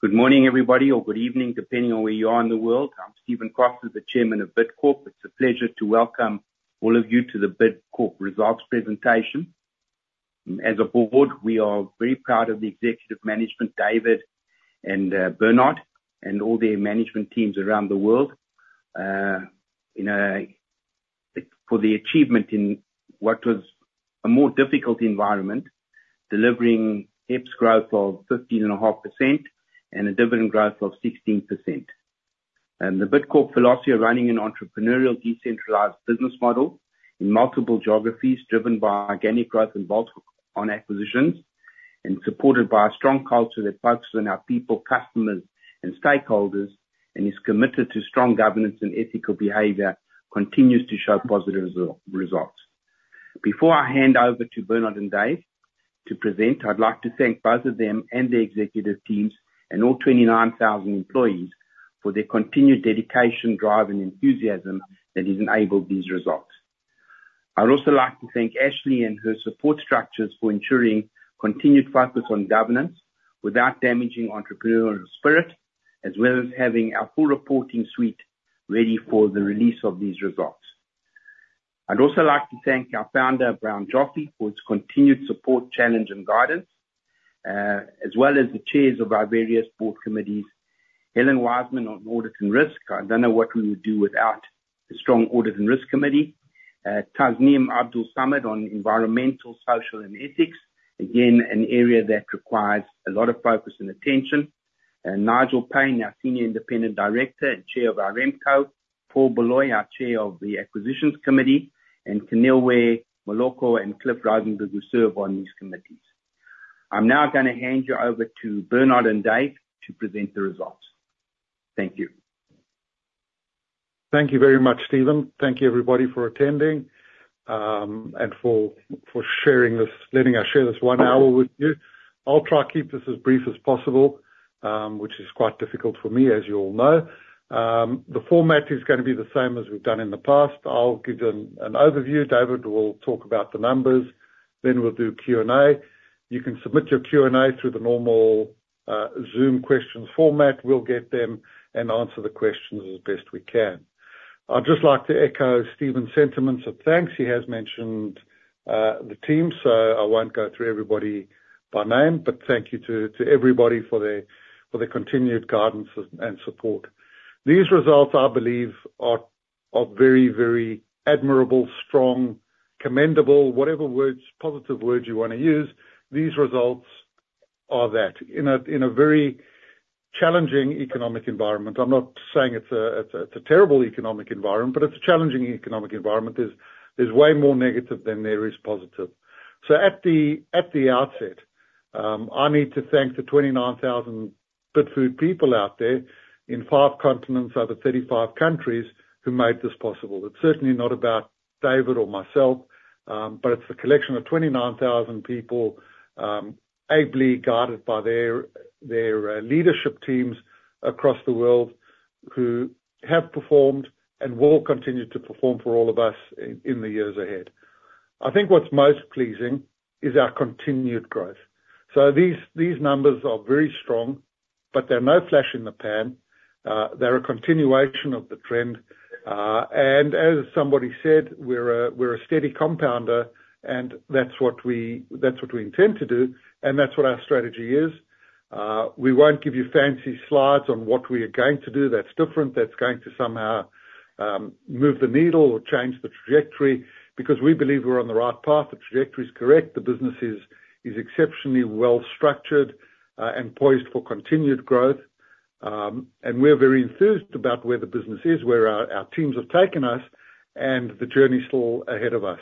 Good morning, everybody, or good evening, depending on where you are in the world. I'm Stephen Cross, Chairman of Bidcorp. It's a pleasure to welcome all of you to the Bidcorp results presentation. As a board, we are very proud of the executive management, David and Bernard, and all their management teams around the world, you know, for the achievement in what was a more difficult environment, delivering EPS growth of 15.5% and a dividend growth of 16%. The Bidcorp philosophy of running an entrepreneurial, decentralized business model in multiple geographies, driven by organic growth and bolt-on acquisitions, and supported by a strong culture that focuses on our people, customers, and stakeholders, and is committed to strong governance and ethical behavior, continues to show positive results. Before I hand over to Bernard and Dave to present, I'd like to thank both of them and their executive teams and all twenty-nine thousand employees for their continued dedication, drive, and enthusiasm that has enabled these results. I'd also like to thank Ashley and her support structures for ensuring continued focus on governance without damaging entrepreneurial spirit, as well as having our full reporting suite ready for the release of these results. I'd also like to thank our founder, Brian Joffe, for his continued support, challenge, and guidance, as well as the chairs of our various board committees: Helen Wiseman on Audit and Risk, I don't know what we would do without a strong Audit and Risk Committee. Tasneem Abdool-Samad on Environmental, Social, and Ethics, again, an area that requires a lot of focus and attention. Nigel Payne, our Senior Independent Director and Chair of our RemCo. Paul Baloyi, our Chair of the Acquisitions Committee, and Keneilwe Moloko and Cliff Rautenbach, who serve on these committees. I'm now gonna hand you over to Bernard and Dave to present the results. Thank you. Thank you very much, Stephen. Thank you, everybody, for attending, and for letting us share this one hour with you. I'll try to keep this as brief as possible, which is quite difficult for me, as you all know. The format is gonna be the same as we've done in the past. I'll give you an overview. David will talk about the numbers, then we'll do Q&A. You can submit your Q&A through the normal Zoom question format. We'll get them and answer the questions as best we can. I'd just like to echo Stephen's sentiments of thanks. He has mentioned the team, so I won't go through everybody by name, but thank you to everybody for their continued guidance and support. These results, I believe, are very, very admirable, strong, commendable, whatever words, positive words you wanna use, these results are that. In a very challenging economic environment. I'm not saying it's a terrible economic environment, but it's a challenging economic environment. There's way more negative than there is positive. So at the outset, I need to thank the 29,000 Bidfood people out there in five continents, over 35 countries, who made this possible. It's certainly not about David or myself, but it's a collection of twenty-nine thousand people, ably guided by their leadership teams across the world, who have performed and will continue to perform for all of us in the years ahead. I think what's most pleasing is our continued growth. So these numbers are very strong, but they're no flash in the pan. They're a continuation of the trend, and as somebody said, we're a steady compounder, and that's what we intend to do, and that's what our strategy is. We won't give you fancy slides on what we are going to do that's different, that's going to somehow move the needle or change the trajectory, because we believe we're on the right path. The trajectory is correct. The business is exceptionally well structured, and poised for continued growth, and we're very enthused about where the business is, where our teams have taken us, and the journey still ahead of us.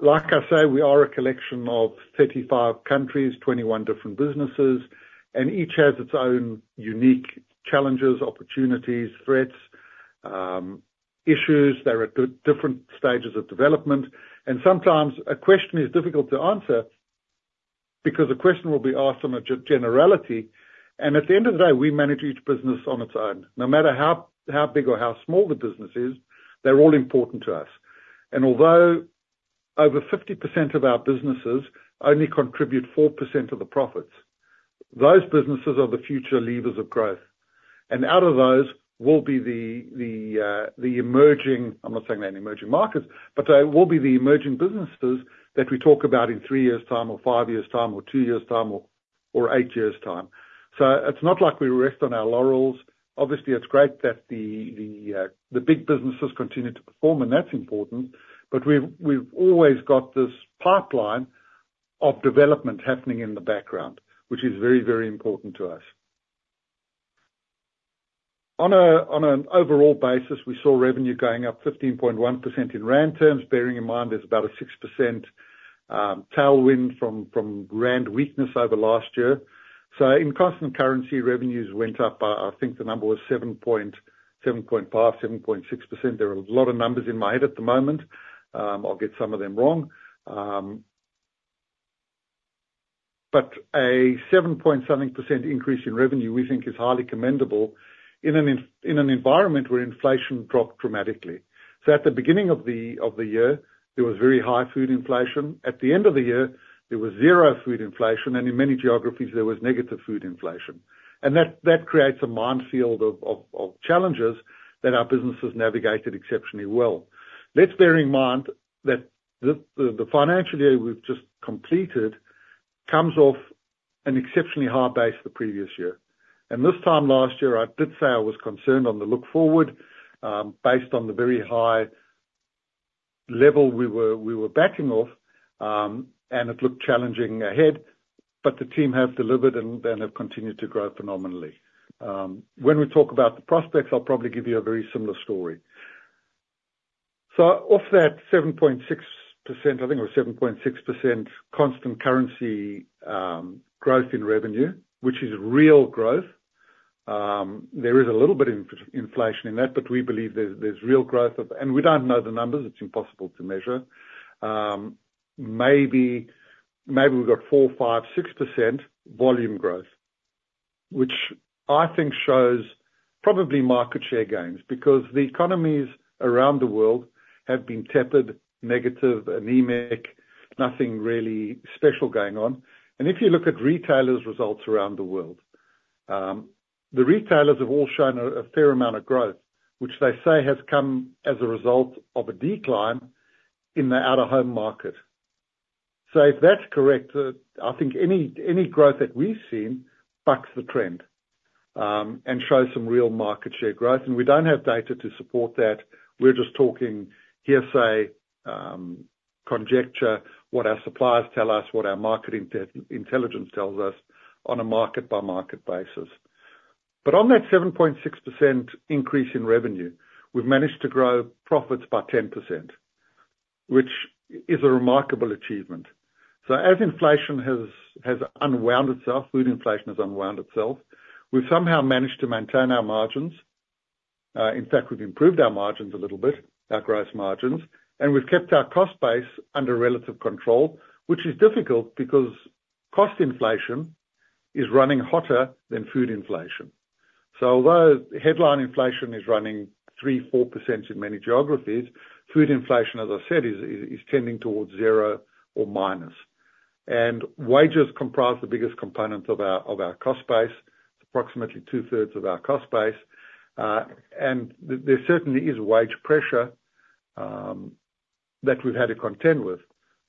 Like I say, we are a collection of 35 countries, 21 different businesses, and each has its own unique challenges, opportunities, threats, issues. They're at different stages of development, and sometimes a question is difficult to answer because a question will be asked on a generality, and at the end of the day, we manage each business on its own. No matter how big or how small the business is, they're all important to us. And although over 50% of our businesses only contribute 4% of the profits, those businesses are the future levers of growth. And out of those will be the emerging... I'm not saying they're emerging markets, but they will be the emerging businesses that we talk about in three years' time or five years' time or two years' time or eight years' time. So it's not like we rest on our laurels. Obviously, it's great that the big businesses continue to perform, and that's important, but we've always got this pipeline of development happening in the background, which is very, very important to us. On an overall basis, we saw revenue going up 15.1% in rand terms, bearing in mind there's about a 6% tailwind from rand weakness over last year. So in constant currency, revenues went up by, I think the number was 7.6%. There are a lot of numbers in my head at the moment, I'll get some of them wrong. But a 7+% increase in revenue, we think is highly commendable in an environment where inflation dropped dramatically. At the beginning of the year, there was very high food inflation. At the end of the year, there was zero food inflation, and in many geographies, there was negative food inflation. That creates a minefield of challenges that our businesses navigated exceptionally well. Let's bear in mind that the financial year we've just completed comes off an exceptionally high base the previous year. This time last year, I did say I was concerned on the look forward, based on the very high level we were backing off, and it looked challenging ahead, but the team have delivered and have continued to grow phenomenally. When we talk about the prospects, I'll probably give you a very similar story. So of that 7.6%, I think it was 7.6% constant currency growth in revenue, which is real growth. There is a little bit inflation in that, but we believe there's real growth of... and we don't know the numbers. It's impossible to measure. Maybe we've got 4%, 5%, 6% volume growth, which I think shows probably market share gains, because the economies around the world have been tepid, negative, anemic, nothing really special going on, and if you look at retailers' results around the world, the retailers have all shown a fair amount of growth, which they say has come as a result of a decline in the out-of-home market. So if that's correct, I think any growth that we've seen bucks the trend and shows some real market share growth. We don't have data to support that. We're just talking hearsay, conjecture, what our suppliers tell us, what our marketing intelligence tells us on a market-by-market basis. But on that 7.6% increase in revenue, we've managed to grow profits by 10%, which is a remarkable achievement. So as inflation has unwound itself, food inflation has unwound itself, we've somehow managed to maintain our margins. In fact, we've improved our margins a little bit, our gross margins, and we've kept our cost base under relative control, which is difficult because cost inflation is running hotter than food inflation. So although headline inflation is running 3%-4% in many geographies, food inflation, as I said, is tending towards zero or minus. And wages comprise the biggest component of our cost base, approximately two-thirds of our cost base. There certainly is wage pressure that we've had to contend with.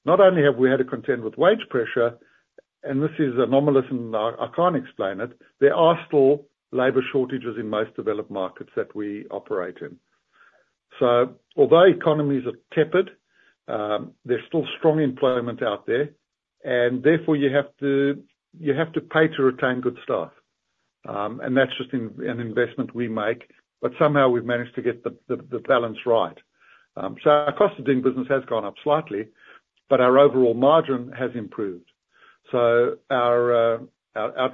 Not only have we had to contend with wage pressure, and this is anomalous and I can't explain it, there are still labor shortages in most developed markets that we operate in, so although economies are tepid, there's still strong employment out there, and therefore, you have to pay to retain good staff, and that's just an investment we make, but somehow we've managed to get the balance right, so our cost of doing business has gone up slightly, but our overall margin has improved, so our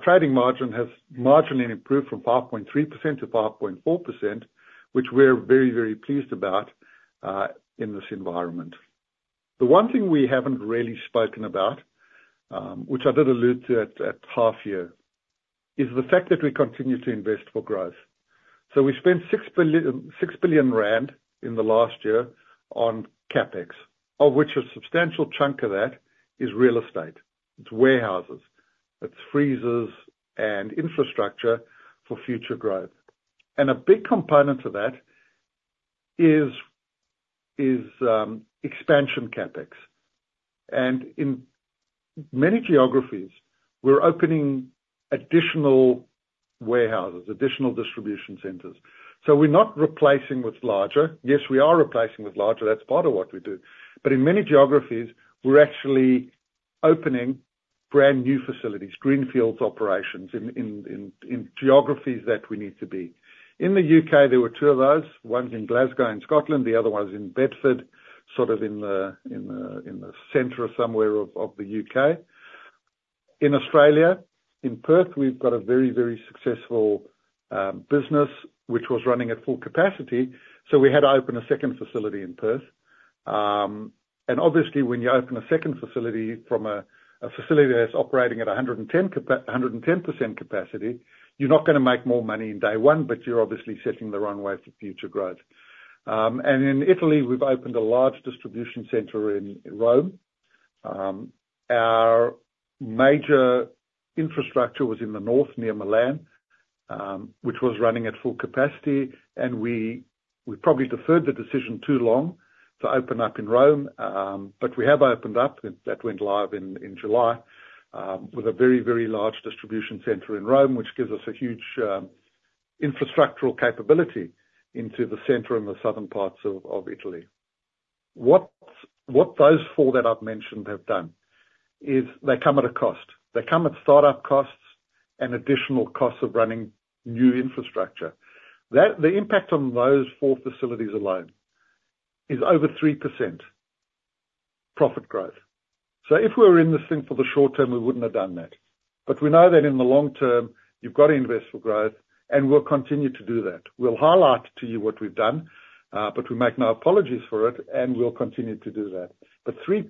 trading margin has marginally improved from 5.3% to 5.4%, which we're very, very pleased about in this environment. The one thing we haven't really spoken about, which I did allude to at half year, is the fact that we continue to invest for growth. So we spent 6 billion rand in the last year on CapEx, of which a substantial chunk of that is real estate. It's warehouses, it's freezers and infrastructure for future growth. And a big component of that is expansion CapEx. And in many geographies, we're opening additional warehouses, additional distribution centers, so we're not replacing with larger. Yes, we are replacing with larger, that's part of what we do. But in many geographies, we're actually opening brand new facilities, greenfields operations in geographies that we need to be. In the UK, there were two of those. One's in Glasgow, in Scotland, the other one is in Bedford, sort of in the center or somewhere of the UK. In Australia, in Perth, we've got a very, very successful business, which was running at full capacity, so we had to open a second facility in Perth. Obviously, when you open a second facility from a facility that's operating at 110% capacity, you're not gonna make more money in day one, but you're obviously setting the runway for future growth. In Italy, we've opened a large distribution center in Rome. Our major infrastructure was in the north, near Milan, which was running at full capacity, and we probably deferred the decision too long to open up in Rome. But we have opened up, and that went live in July, with a very, very large distribution center in Rome, which gives us a huge infrastructural capability into the center and the southern parts of Italy. What those four that I've mentioned have done is they come at a cost. They come at start-up costs and additional costs of running new infrastructure. The impact on those four facilities alone is over 3% profit growth. So if we were in this thing for the short term, we wouldn't have done that. But we know that in the long term, you've got to invest for growth, and we'll continue to do that. We'll highlight to you what we've done, but we make no apologies for it, and we'll continue to do that. But 3%,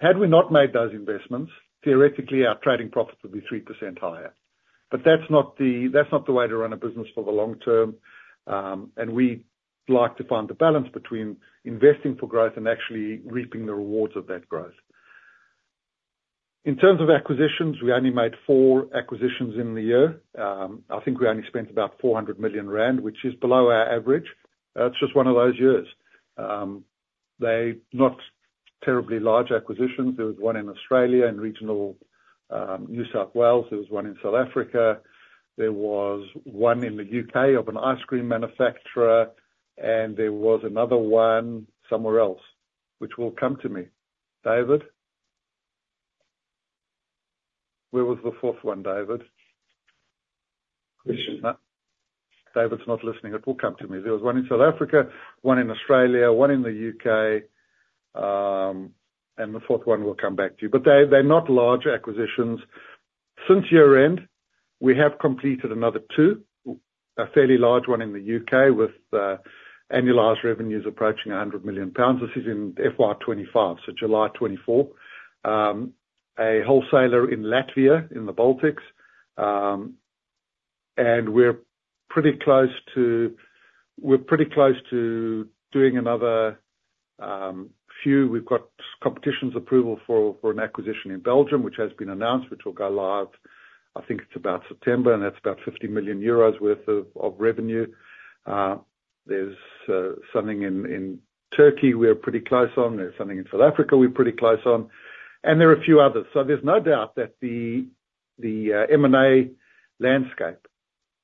had we not made those investments, theoretically, our trading profits would be 3% higher. But that's not the, that's not the way to run a business for the long term, and we like to find the balance between investing for growth and actually reaping the rewards of that growth. In terms of acquisitions, we only made four acquisitions in the year. I think we only spent about 400 million rand, which is below our average. It's just one of those years. They're not terribly large acquisitions. There was one in Australia, in regional, New South Wales, there was one in South Africa, there was one in the UK of an ice cream manufacturer, and there was another one somewhere else, which will come to me. David? Where was the fourth one, David? Christian. David's not listening. It will come to me. There was one in South Africa, one in Australia, one in the UK, and the fourth one will come back to you. But they're not large acquisitions. Since year-end, we have completed another two. A fairly large one in the UK, with annualized revenues approaching 100 million pounds. This is in FY 2025, so July 2024. A wholesaler in Latvia, in the Baltics, and we're pretty close to doing another few. We've got competition approval for an acquisition in Belgium, which has been announced, which will go live, I think it's about September, and that's about 50 million euros worth of revenue. There's something in Turkey we are pretty close on, there's something in South Africa we're pretty close on, and there are a few others. So there's no doubt that the M&A landscape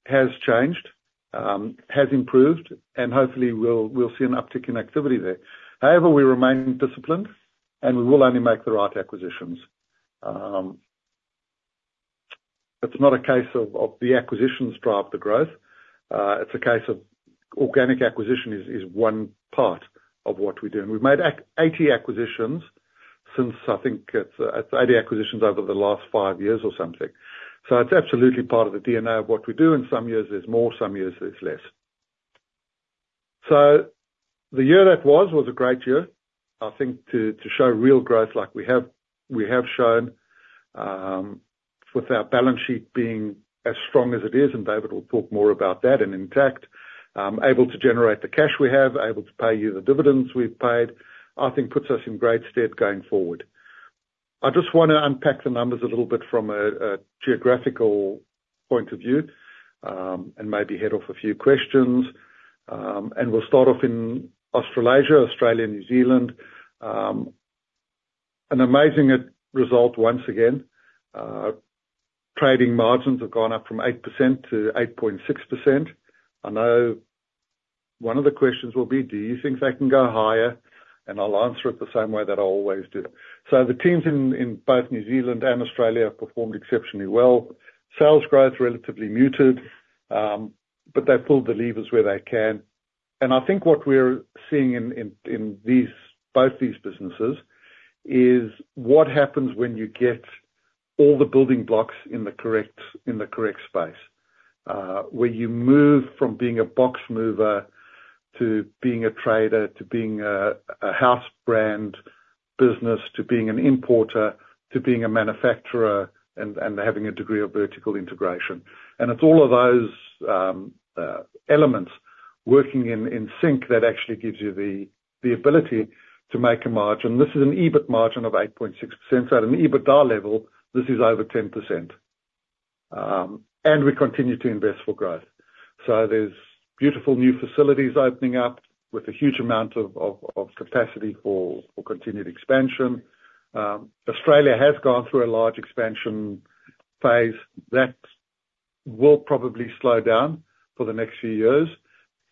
has changed, has improved, and hopefully we'll see an uptick in activity there. However, we remain disciplined, and we will only make the right acquisitions. It's not a case of the acquisitions drive the growth, it's a case of organic acquisition is one part of what we do, and we've made eighty acquisitions since I think it's eighty acquisitions over the last five years or something. So it's absolutely part of the DNA of what we do, and some years there's more, some years there's less. So the year that was was a great year, I think, to show real growth like we have shown, with our balance sheet being as strong as it is, and David will talk more about that, and intact, able to generate the cash we have, able to pay you the dividends we've paid. I think that puts us in great stead going forward. I just wanna unpack the numbers a little bit from a geographical point of view, and maybe head off a few questions, and we'll start off in Australasia, Australia and New Zealand. An amazing result once again. Trading margins have gone up from 8% to 8.6%. I know one of the questions will be: do you think they can go higher, and I'll answer it the same way that I always do. The teams in both New Zealand and Australia have performed exceptionally well. Sales growth, relatively muted, but they've pulled the levers where they can. I think what we're seeing in these both these businesses is what happens when you get all the building blocks in the correct space. Where you move from being a box mover to being a trader, to being a house brand business, to being an importer, to being a manufacturer, and having a degree of vertical integration. It's all of those elements working in sync that actually gives you the ability to make a margin. This is an EBIT margin of 8.6%. At an EBITDA level, this is over 10%. And we continue to invest for growth. So there's beautiful new facilities opening up with a huge amount of capacity for continued expansion. Australia has gone through a large expansion phase, that will probably slow down for the next few years,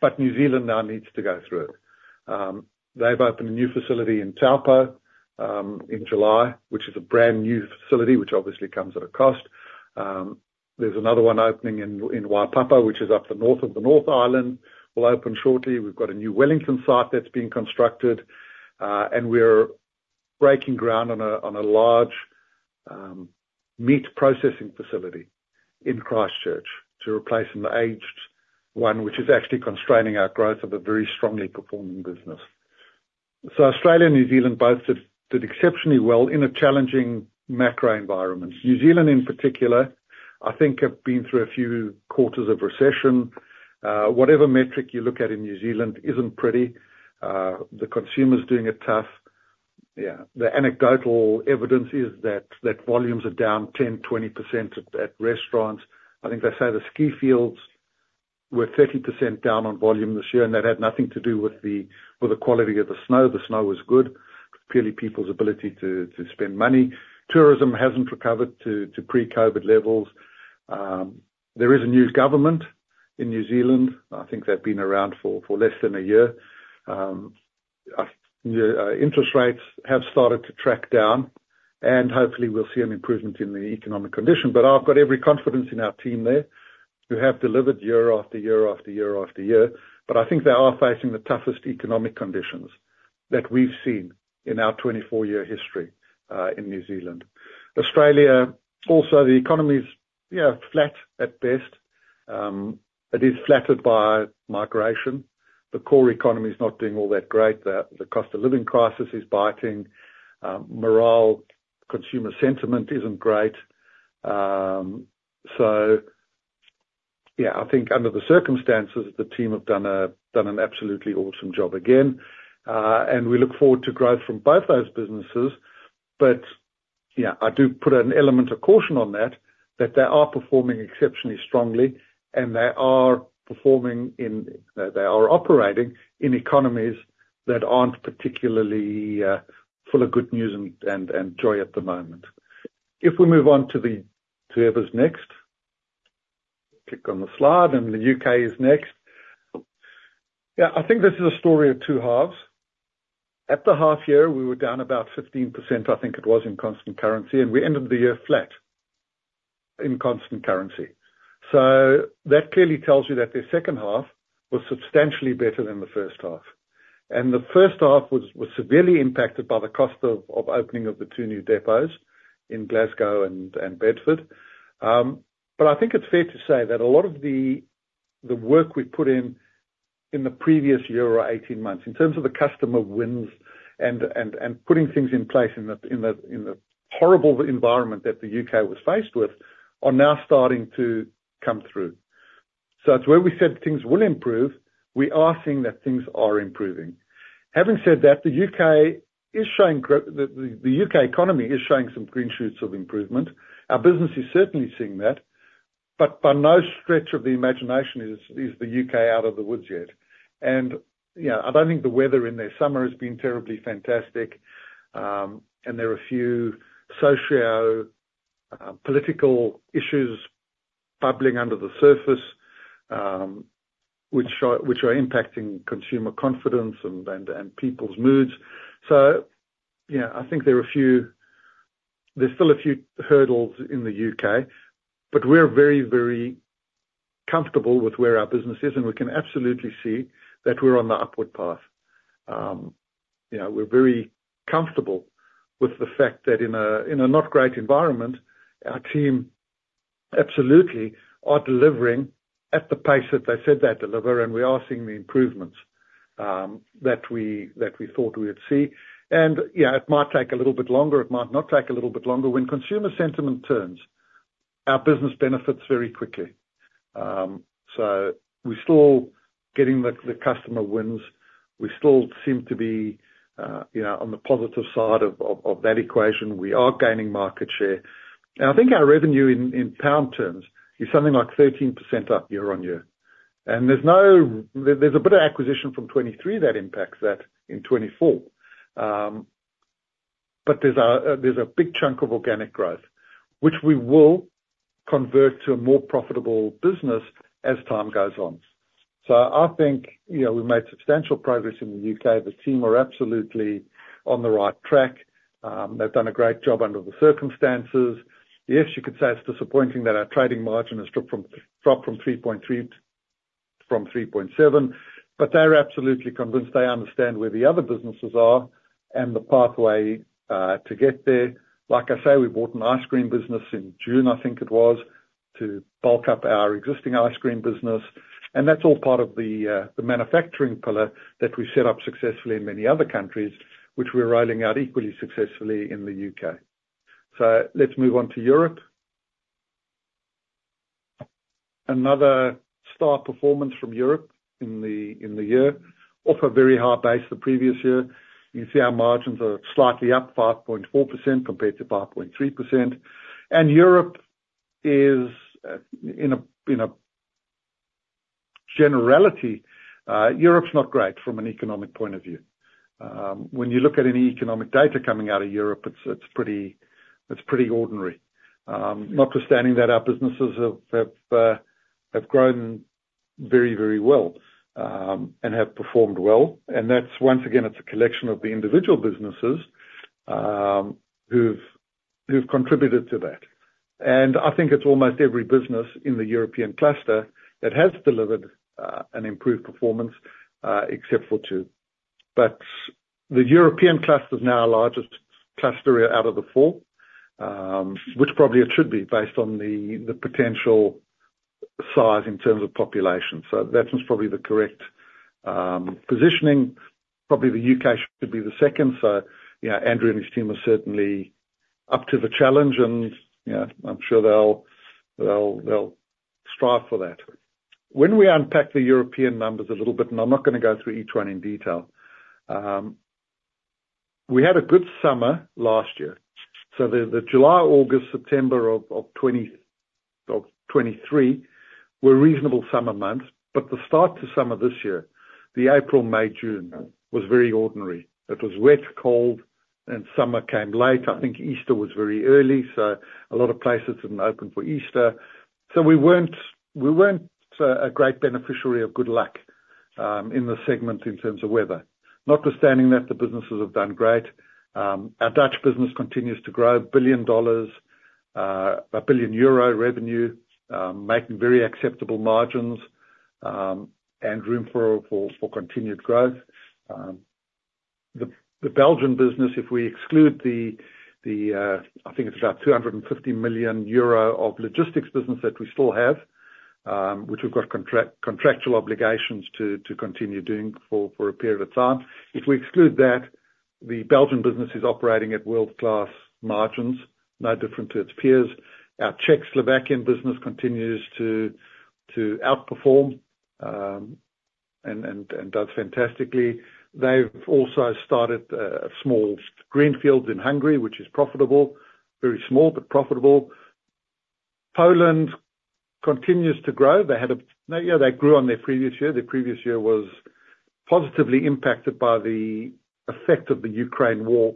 but New Zealand now needs to go through it. They've opened a new facility in Taupō in July, which is a brand-new facility, which obviously comes at a cost. There's another one opening in Waipapa, which is up the north of the North Island, will open shortly. We've got a new Wellington site that's being constructed, and we're breaking ground on a large meat processing facility in Christchurch to replace an aged one, which is actually constraining our growth of a very strongly performing business. So Australia and New Zealand both did exceptionally well in a challenging macro environment. New Zealand, in particular, I think have been through a few quarters of recession. Whatever metric you look at in New Zealand isn't pretty. The consumer's doing it tough. Yeah, the anecdotal evidence is that volumes are down 10%-20% at restaurants. I think they say the ski fields were 30% down on volume this year, and that had nothing to do with the quality of the snow. The snow was good. Clearly, people's ability to spend money. Tourism hasn't recovered to pre-COVID levels. There is a new government in New Zealand. I think they've been around for less than a year. The interest rates have started to track down, and hopefully we'll see an improvement in the economic condition. But I've got every confidence in our team there, who have delivered year after year after year after year. But I think they are facing the toughest economic conditions that we've seen in our 2024 history in New Zealand. Australia also, the economy's yeah, flat at best. It is flattered by migration. The core economy is not doing all that great. The cost of living crisis is biting. Morale, consumer sentiment isn't great. So yeah, I think under the circumstances, the team have done an absolutely awesome job again. And we look forward to growth from both those businesses. But yeah, I do put an element of caution on that, that they are performing exceptionally strongly, and they are performing in... They are operating in economies that aren't particularly full of good news and joy at the moment. If we move on to the, whoever's next. Click on the slide, and the UK is next. Yeah, I think this is a story of two halves. At the half year, we were down about 15%, I think it was, in constant currency, and we ended the year flat in constant currency. So that clearly tells you that the second half was substantially better than the first half, and the first half was severely impacted by the cost of opening of the two new depots in Glasgow and Bedford. But I think it's fair to say that a lot of the work we put in in the previous year or eighteen months, in terms of the customer wins and putting things in place in the horrible environment that the U.K. was faced with, are now starting to come through. So it's where we said things will improve. We are seeing that things are improving. Having said that, the U.K. economy is showing some green shoots of improvement. Our business is certainly seeing that. But by no stretch of the imagination is the U.K. out of the woods yet. And, you know, I don't think the weather in their summer has been terribly fantastic, and there are a few socio-political issues bubbling under the surface, which are impacting consumer confidence and people's moods. So, you know, I think there are a few. There's still a few hurdles in the UK, but we're very, very comfortable with where our business is, and we can absolutely see that we're on the upward path. You know, we're very comfortable with the fact that in a not great environment, our team absolutely are delivering at the pace that they said they'd deliver, and we are seeing the improvements that we thought we would see. And, yeah, it might take a little bit longer, it might not take a little bit longer. When consumer sentiment turns, our business benefits very quickly, so we're still getting the customer wins. We still seem to be, you know, on the positive side of that equation. We are gaining market share, and I think our revenue in pound terms is something like 13% up year-on-year, and there's a bit of acquisition from 2023 that impacts that in 2024. But there's a big chunk of organic growth, which we will convert to a more profitable business as time goes on, so I think, you know, we've made substantial progress in the UK. The team are absolutely on the right track. They've done a great job under the circumstances. Yes, you could say it's disappointing that our trading margin has dropped from 3.3% from 3.7%, but they're absolutely convinced they understand where the other businesses are and the pathway to get there. Like I say, we bought an ice cream business in June, I think it was, to bulk up our existing ice cream business, and that's all part of the manufacturing pillar that we set up successfully in many other countries, which we're rolling out equally successfully in the UK. So let's move on to Europe. Another star performance from Europe in the year, off a very high base the previous year. You can see our margins are slightly up 5.4% compared to 5.3%. Europe is in a generality. Europe's not great from an economic point of view. When you look at any economic data coming out of Europe, it's pretty ordinary. Notwithstanding that, our businesses have grown very well and have performed well. That's once again a collection of the individual businesses who've contributed to that. I think it's almost every business in the European cluster that has delivered an improved performance except for two. The European cluster is now our largest cluster out of the four, which probably it should be, based on the potential size in terms of population. That one's probably the correct positioning. The UK should be the second. So, you know, Andrew and his team are certainly up to the challenge and, you know, I'm sure they'll strive for that. When we unpack the European numbers a little bit, and I'm not gonna go through each one in detail, we had a good summer last year. So the July, August, September of 2023 were reasonable summer months, but the start to summer this year, the April, May, June, was very ordinary. It was wet, cold, and summer came late. I think Easter was very early, so a lot of places didn't open for Easter. So we weren't a great beneficiary of good luck in the segment in terms of weather. Notwithstanding that, the businesses have done great. Our Dutch business continues to grow $1 billion.... a billion euro revenue, making very acceptable margins, and room for continued growth. The Belgian business, if we exclude the, I think it's about 250 million euro of logistics business that we still have, which we've got contractual obligations to continue doing for a period of time. If we exclude that, the Belgian business is operating at world-class margins, no different to its peers. Our Czech Slovakian business continues to outperform, and does fantastically. They've also started a small greenfield in Hungary, which is profitable. Very small, but profitable. Poland continues to grow. They grew on their previous year. Their previous year was positively impacted by the effect of the Ukraine War,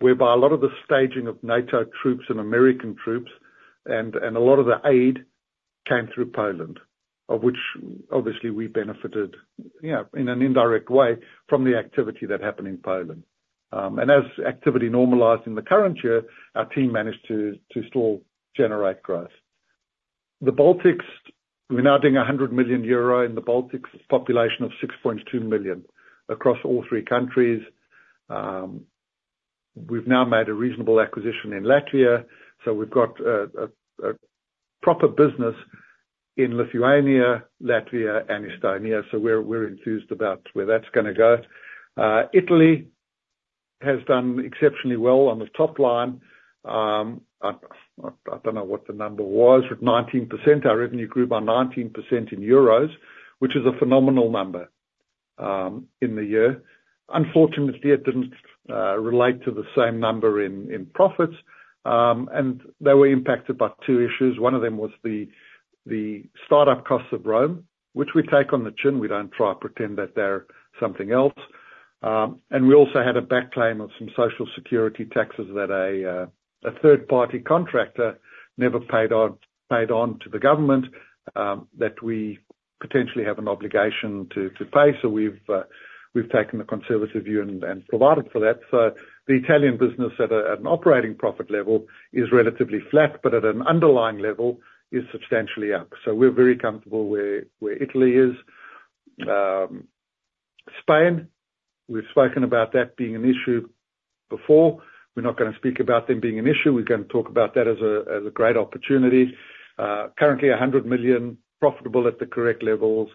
whereby a lot of the staging of NATO troops and American troops and a lot of the aid came through Poland, of which obviously we benefited, you know, in an indirect way from the activity that happened in Poland. As activity normalized in the current year, our team managed to still generate growth. The Baltics, we're now doing 100 million euro in the Baltics, population of 6.2 million across all three countries. We've now made a reasonable acquisition in Latvia, so we've got a proper business in Lithuania, Latvia, and Estonia, so we're enthused about where that's gonna go. Italy has done exceptionally well on the top line. I don't know what the number was, but 19%, our revenue grew by 19% in euros, which is a phenomenal number in the year. Unfortunately, it didn't relate to the same number in profits, and they were impacted by two issues. One of them was the startup costs of Rome, which we take on the chin. We don't try to pretend that they're something else. And we also had a tax claim of some Social Security taxes that a third-party contractor never paid on to the government, that we potentially have an obligation to pay. So we've taken the conservative view and provided for that. So the Italian business at an operating profit level is relatively flat, but at an underlying level is substantially up. We're very comfortable where Italy is. Spain, we've spoken about that being an issue before. We're not gonna speak about them being an issue. We're gonna talk about that as a great opportunity. Currently 100 million profitable at the correct levels,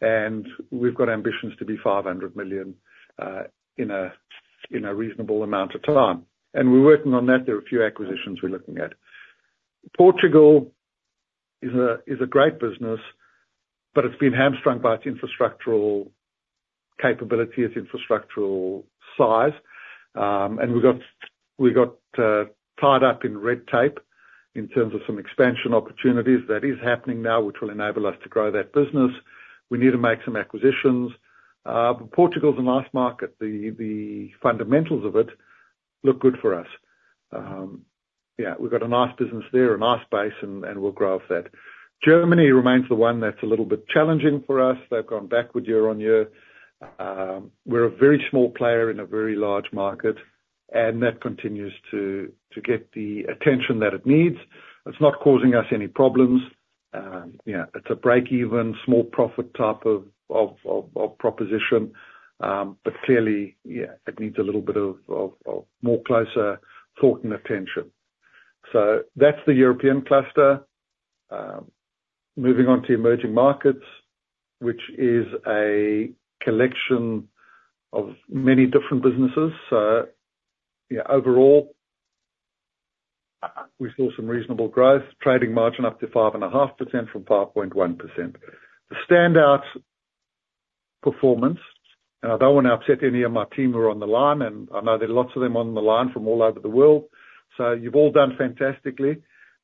and we've got ambitions to be 500 million in a reasonable amount of time. We're working on that. There are a few acquisitions we're looking at. Portugal is a great business, but it's been hamstrung by its infrastructural capability, its infrastructural size. We got tied up in red tape in terms of some expansion opportunities. That is happening now, which will enable us to grow that business. We need to make some acquisitions, but Portugal is a nice market. The fundamentals of it look good for us. Yeah, we've got a nice business there, a nice base, and we'll grow off that. Germany remains the one that's a little bit challenging for us. They've gone backward year on year. We're a very small player in a very large market, and that continues to get the attention that it needs. It's not causing us any problems. Yeah, it's a break-even, small profit type of proposition, but clearly, yeah, it needs a little bit of more closer thought and attention. So that's the European cluster. Moving on to emerging markets, which is a collection of many different businesses. So yeah, overall, we saw some reasonable growth, trading margin up to 5.5% from 5.1%. The standout performance, and I don't want to upset any of my team who are on the line, and I know there are lots of them on the line from all over the world, so you've all done fantastically.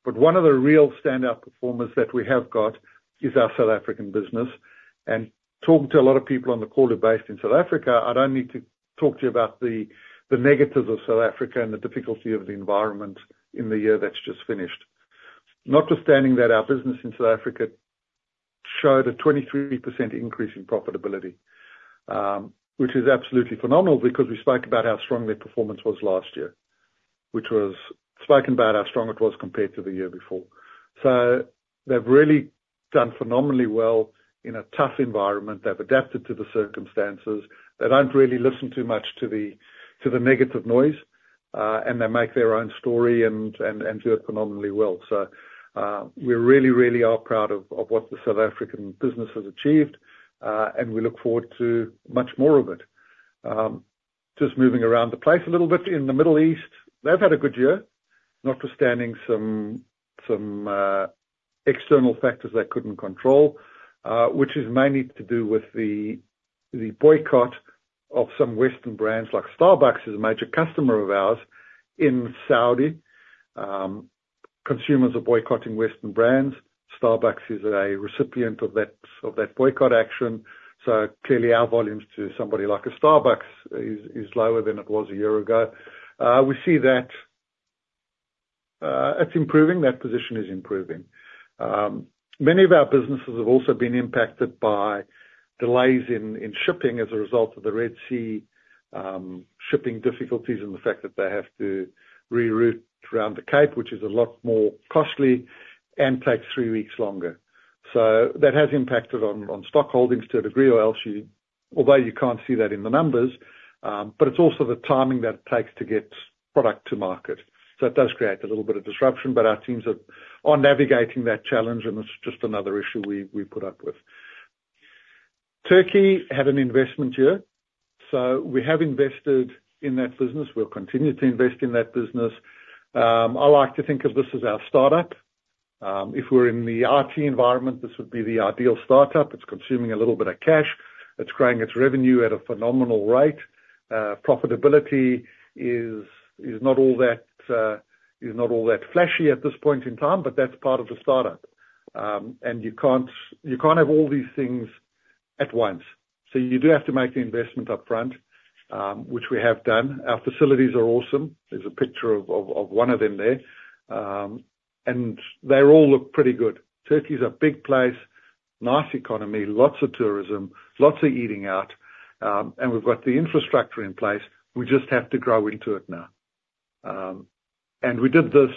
But one of the real standout performers that we have got is our South African business. Talking to a lot of people on the call who are based in South Africa, I don't need to talk to you about the negatives of South Africa and the difficulty of the environment in the year that's just finished. Notwithstanding that, our business in South Africa showed a 23% increase in profitability, which is absolutely phenomenal because we spoke about how strong their performance was last year, which was spoken about how strong it was compared to the year before. So they've really done phenomenally well in a tough environment. They've adapted to the circumstances. They don't really listen too much to the negative noise, and they make their own story and do it phenomenally well. So we really, really are proud of what the South African business has achieved, and we look forward to much more of it. Just moving around the place a little bit, in the Middle East, they've had a good year, notwithstanding some external factors they couldn't control, which is mainly to do with the boycott of some Western brands. Like Starbucks is a major customer of ours in Saudi. Consumers are boycotting Western brands. Starbucks is a recipient of that boycott action. So clearly, our volumes to somebody like a Starbucks is lower than it was a year ago. We see that it's improving, that position is improving. Many of our businesses have also been impacted by delays in shipping as a result of the Red Sea shipping difficulties, and the fact that they have to reroute around the Cape, which is a lot more costly and takes three weeks longer. So that has impacted on stock holdings to a degree although you can't see that in the numbers, but it's also the timing that it takes to get product to market. So it does create a little bit of disruption, but our teams are navigating that challenge, and it's just another issue we put up with. Turkey had an investment year, so we have invested in that business. We'll continue to invest in that business. I like to think of this as our startup. If we're in the IT environment, this would be the ideal startup. It's consuming a little bit of cash. It's growing its revenue at a phenomenal rate. Profitability is not all that flashy at this point in time, but that's part of the startup. And you can't have all these things at once. So you do have to make the investment upfront, which we have done. Our facilities are awesome. There's a picture of one of them there. And they all look pretty good. Turkey's a big place, nice economy, lots of tourism, lots of eating out, and we've got the infrastructure in place. We just have to grow into it now. And we did this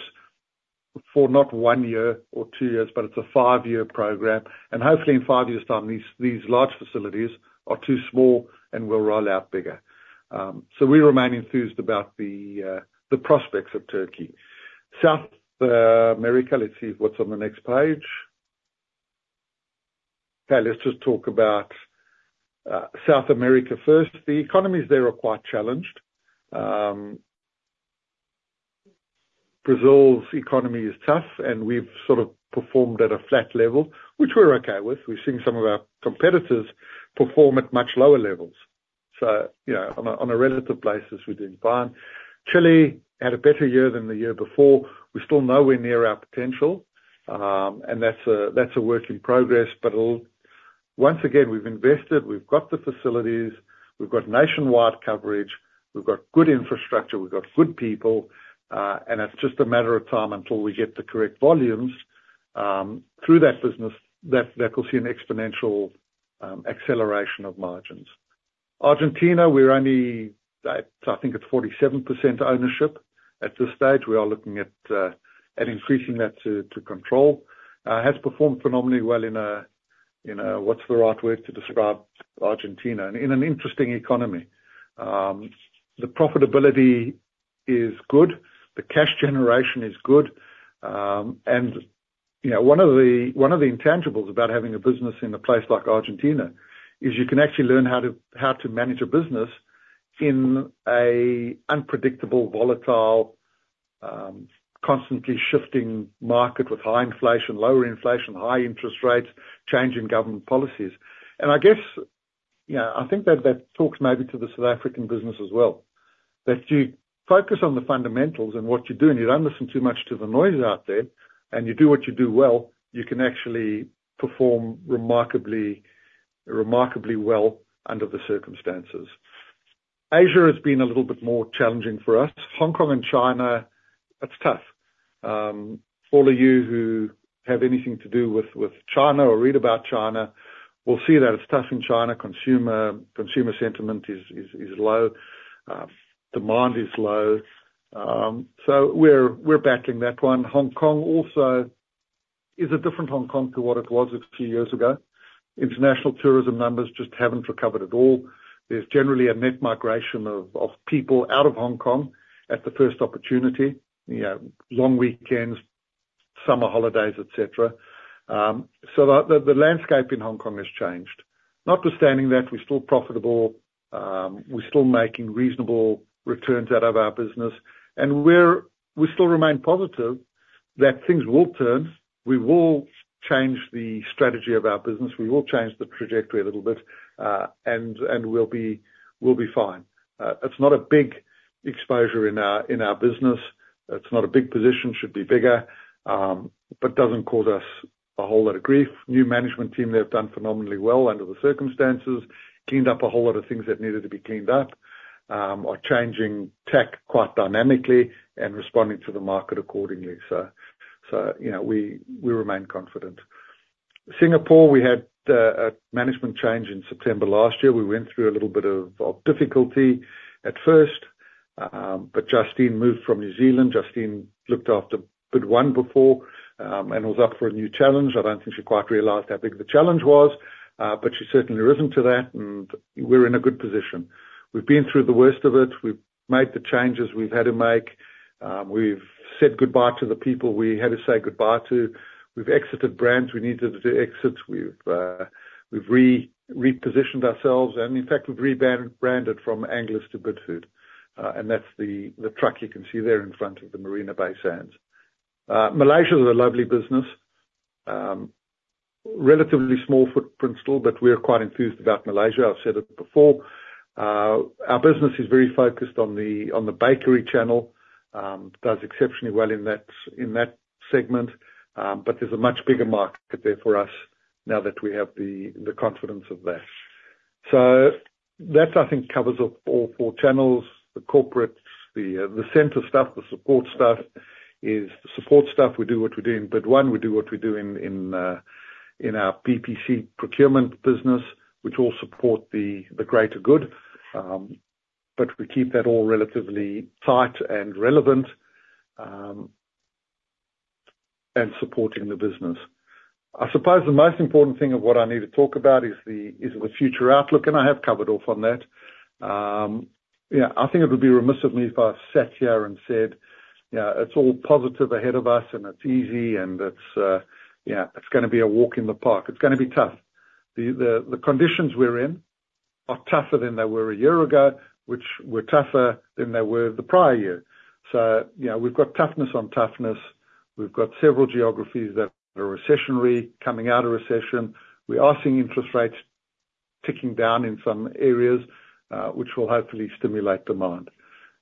for not one year or two years, but it's a five-year program, and hopefully in five years' time, these large facilities are too small, and we'll roll out bigger. So we remain enthused about the prospects of Turkey. South America, let's see what's on the next page. Okay, let's just talk about South America first. The economies there are quite challenged. Brazil's economy is tough, and we've sort of performed at a flat level, which we're okay with. We've seen some of our competitors perform at much lower levels. You know, on a relative basis, we're doing fine. Chile had a better year than the year before. We're still nowhere near our potential, and that's a work in progress, but it'll... Once again, we've invested, we've got the facilities, we've got nationwide coverage, we've got good infrastructure, we've got good people, and it's just a matter of time until we get the correct volumes through that business that will see an exponential acceleration of margins. Argentina, we're only at, I think it's 47% ownership at this stage. We are looking at increasing that to control. Has performed phenomenally well in a, what's the right word to describe Argentina? In an interesting economy. The profitability is good, the cash generation is good, and, you know, one of the intangibles about having a business in a place like Argentina is you can actually learn how to manage a business in an unpredictable, volatile, constantly shifting market with high inflation, lower inflation, high interest rates, change in government policies. And I guess, you know, I think that talks maybe to the South African business as well, that you focus on the fundamentals and what you're doing, you don't listen too much to the noise out there, and you do what you do well, you can actually perform remarkably well under the circumstances. Asia has been a little bit more challenging for us. Hong Kong and China, it's tough. All of you who have anything to do with China or read about China will see that it's tough in China. Consumer sentiment is low. Demand is low. So we're battling that one. Hong Kong also is a different Hong Kong to what it was a few years ago. International tourism numbers just haven't recovered at all. There's generally a net migration of people out of Hong Kong at the first opportunity, you know, long weekends, summer holidays, et cetera. So the landscape in Hong Kong has changed. Notwithstanding that, we're still profitable. We're still making reasonable returns out of our business, and we still remain positive that things will turn. We will change the strategy of our business. We will change the trajectory a little bit, and we'll be fine. It's not a big exposure in our business. It's not a big position, should be bigger, but doesn't cause us a whole lot of grief. New management team there have done phenomenally well under the circumstances, cleaned up a whole lot of things that needed to be cleaned up, are changing tack quite dynamically and responding to the market accordingly. So you know, we remain confident. Singapore, we had a management change in September last year. We went through a little bit of difficulty at first, but Justine moved from New Zealand. Justine looked after BidOne before, and was up for a new challenge. I don't think she quite realized how big the challenge was, but she's certainly risen to that, and we're in a good position. We've been through the worst of it. We've made the changes we've had to make. We've said goodbye to the people we had to say goodbye to. We've exited brands we needed to exit. We've repositioned ourselves, and in fact, we've rebranded from Angus to Good Food. And that's the truck you can see there in front of the Marina Bay Sands. Malaysia is a lovely business. Relatively small footprint still, but we are quite enthused about Malaysia. I've said it before. Our business is very focused on the bakery channel. Does exceptionally well in that segment, but there's a much bigger market there for us now that we have the confidence of that. So that, I think, covers all four channels, the corporate, the center stuff, the support stuff, is... The support stuff, we do what we do in BidOne, we do what we do in our PPC procurement business, which all support the greater good, but we keep that all relatively tight and relevant, and supporting the business. I suppose the most important thing of what I need to talk about is the future outlook, and I have covered off on that. Yeah, I think it would be remiss of me if I sat here and said, "Yeah, it's all positive ahead of us, and it's easy, and it's, yeah, it's gonna be a walk in the park." It's gonna be tough. The conditions we're in are tougher than they were a year ago, which were tougher than they were the prior year. So, you know, we've got toughness on toughness. We've got several geographies that are recessionary, coming out of recession. We are seeing interest rates ticking down in some areas, which will hopefully stimulate demand.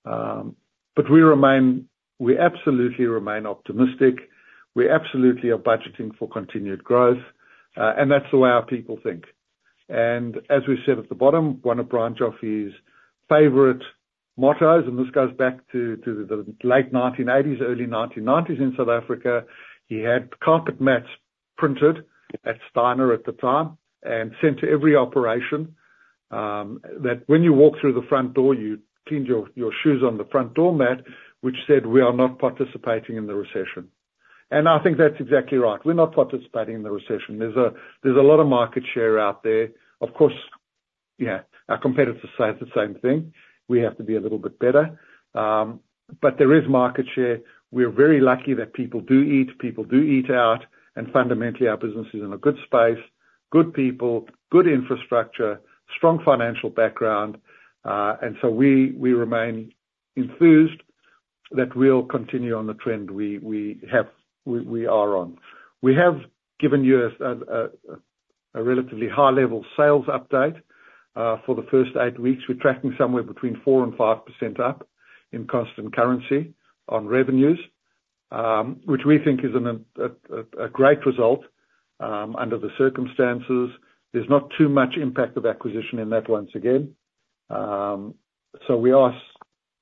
But we remain - we absolutely remain optimistic. We absolutely are budgeting for continued growth, and that's the way our people think. And as we said at the bottom, one of Brian Joffe's favorite mottos, and this goes back to the late 1980s, early 1990s in South Africa, he had carpet mats printed at Steiner at the time, and sent to every operation, that when you walk through the front door, you cleaned your shoes on the front doormat, which said, "We are not participating in the recession." And I think that's exactly right. We're not participating in the recession. There's a lot of market share out there. Of course, yeah, our competitors say the same thing. We have to be a little bit better, but there is market share. We are very lucky that people do eat, people do eat out, and fundamentally, our business is in a good space, good people, good infrastructure, strong financial background, and so we remain enthused that we'll continue on the trend we are on. We have given you a relatively high-level sales update. For the first eight weeks, we're tracking somewhere between 4% and 5% up in constant currency on revenues, which we think is a great result under the circumstances. There's not too much impact of acquisition in that once again. So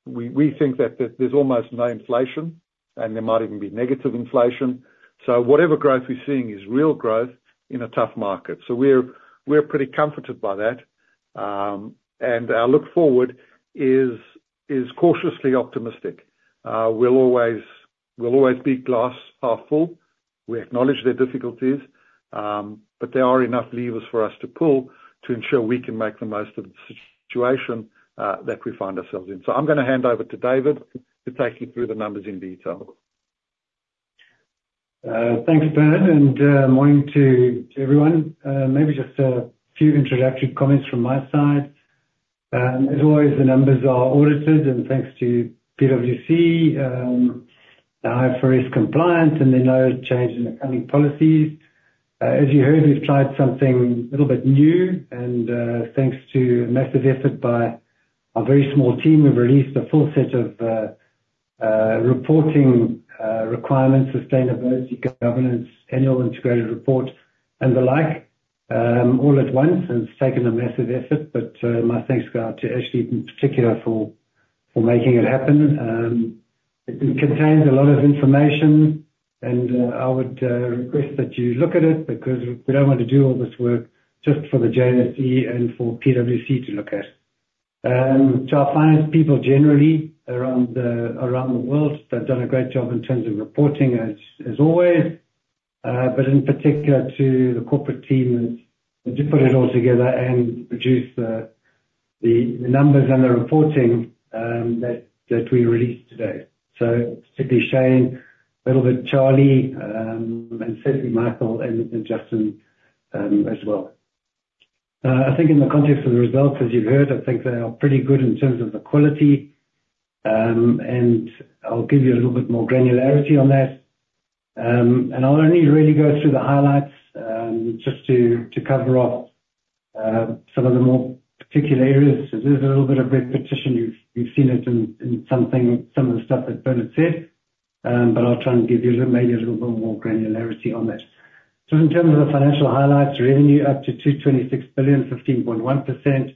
we think there's almost no inflation, and there might even be negative inflation. So whatever growth we're seeing is real growth in a tough market. So we're pretty comforted by that. And our look forward is cautiously optimistic. We'll always be glass half full. We acknowledge the difficulties, but there are enough levers for us to pull to ensure we can make the most of the situation that we find ourselves in. So I'm gonna hand over to David to take you through the numbers in detail. Thanks, Bernard, and morning to everyone. Maybe just a few introductory comments from my side. As always, the numbers are audited, and thanks to PwC, the IFRS compliance, and then no change in the accounting policies. As you heard, we've tried something a little bit new, and thanks to massive effort by our very small team, we've released a full set of reporting requirements, sustainability, governance, annual integrated report, and the like, all at once, and it's taken a massive effort. But my thanks go out to Ashley in particular for making it happen. It contains a lot of information, and I would request that you look at it, because we don't want to do all this work just for the JSE and for PwC to look at. To our finance people generally around the world, they've done a great job in terms of reporting as always, but in particular to the corporate team that put it all together and produced the numbers and the reporting that we released today. So particularly Shane, a little bit Charlie, and certainly Michael and Justin, as well. I think in the context of the results, as you've heard, I think they are pretty good in terms of the quality. And I'll give you a little bit more granularity on that. And I'll only really go through the highlights, just to cover off some of the more particular areas. There's a little bit of repetition. You've seen it in something, some of the stuff that Bernard said, but I'll try and give you a little, maybe a little bit more granularity on that. So in terms of the financial highlights, revenue up to 226 billion, 15.1%.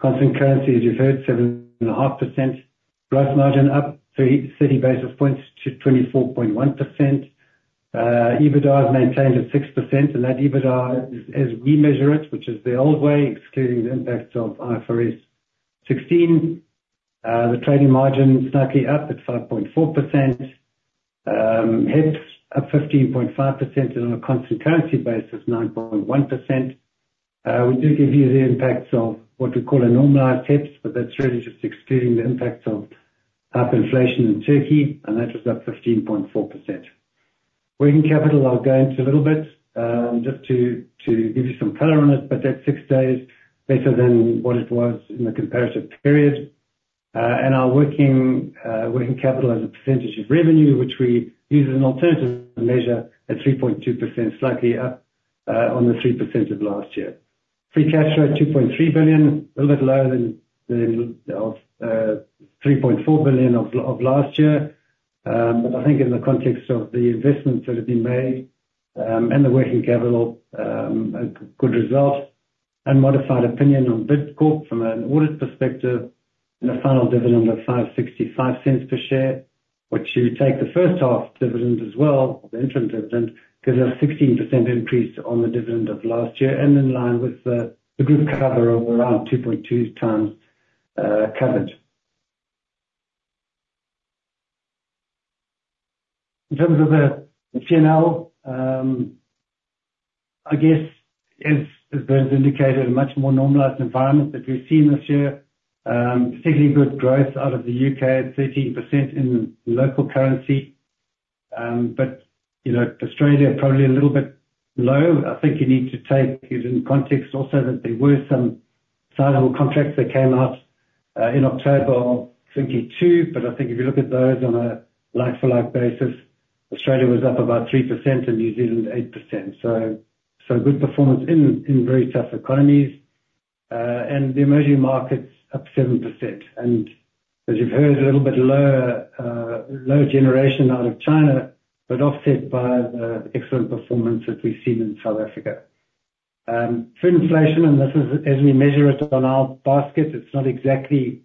Constant currency, as you've heard, 7.5%. Gross margin up thirty-three basis points to 24.1%. EBITDA is maintained at 6%, and that EBITDA is as we measure it, which is the old way, excluding the impacts of IFRS 16. The trading margin slightly up at 5.4%. HEPS at 15.5%, and on a constant currency basis, 9.1%. We did give you the impacts of what we call a normalized HEPS, but that's really just excluding the impacts of hyperinflation in Turkey, and that was up 15.4%. Working capital, I'll go into a little bit, just to give you some color on it, but that's six days better than what it was in the comparative period. And our working capital as a percentage of revenue, which we use as an alternative measure at 3.2%, slightly up on the 3% of last year. Free cash flow, 2.3 billion, a little bit lower than the 3.4 billion of last year. But I think in the context of the investments that have been made, and the working capital, a good result. Unmodified opinion on Bidcorp from an audit perspective, and a final dividend of 5.65 per share, which you take the first half dividend as well, the interim dividend, gives a 16% increase on the dividend of last year, and in line with the group cover of around 2.2x, coverage. In terms of the P&L, I guess, as Bernard indicated, a much more normalized environment that we've seen this year. Particularly good growth out of the UK at 13% in local currency. But, you know, Australia, probably a little bit low. I think you need to take it in context also that there were some sizable contracts that came out in October of 2022, but I think if you look at those on a like-for-like basis, Australia was up about 3% and New Zealand, 8%. Good performance in very tough economies, and the emerging markets up 7%, and as you've heard, a little bit lower low generation out of China, but offset by the excellent performance that we've seen in South Africa. Food inflation, and this is as we measure it on our basket; it's not exactly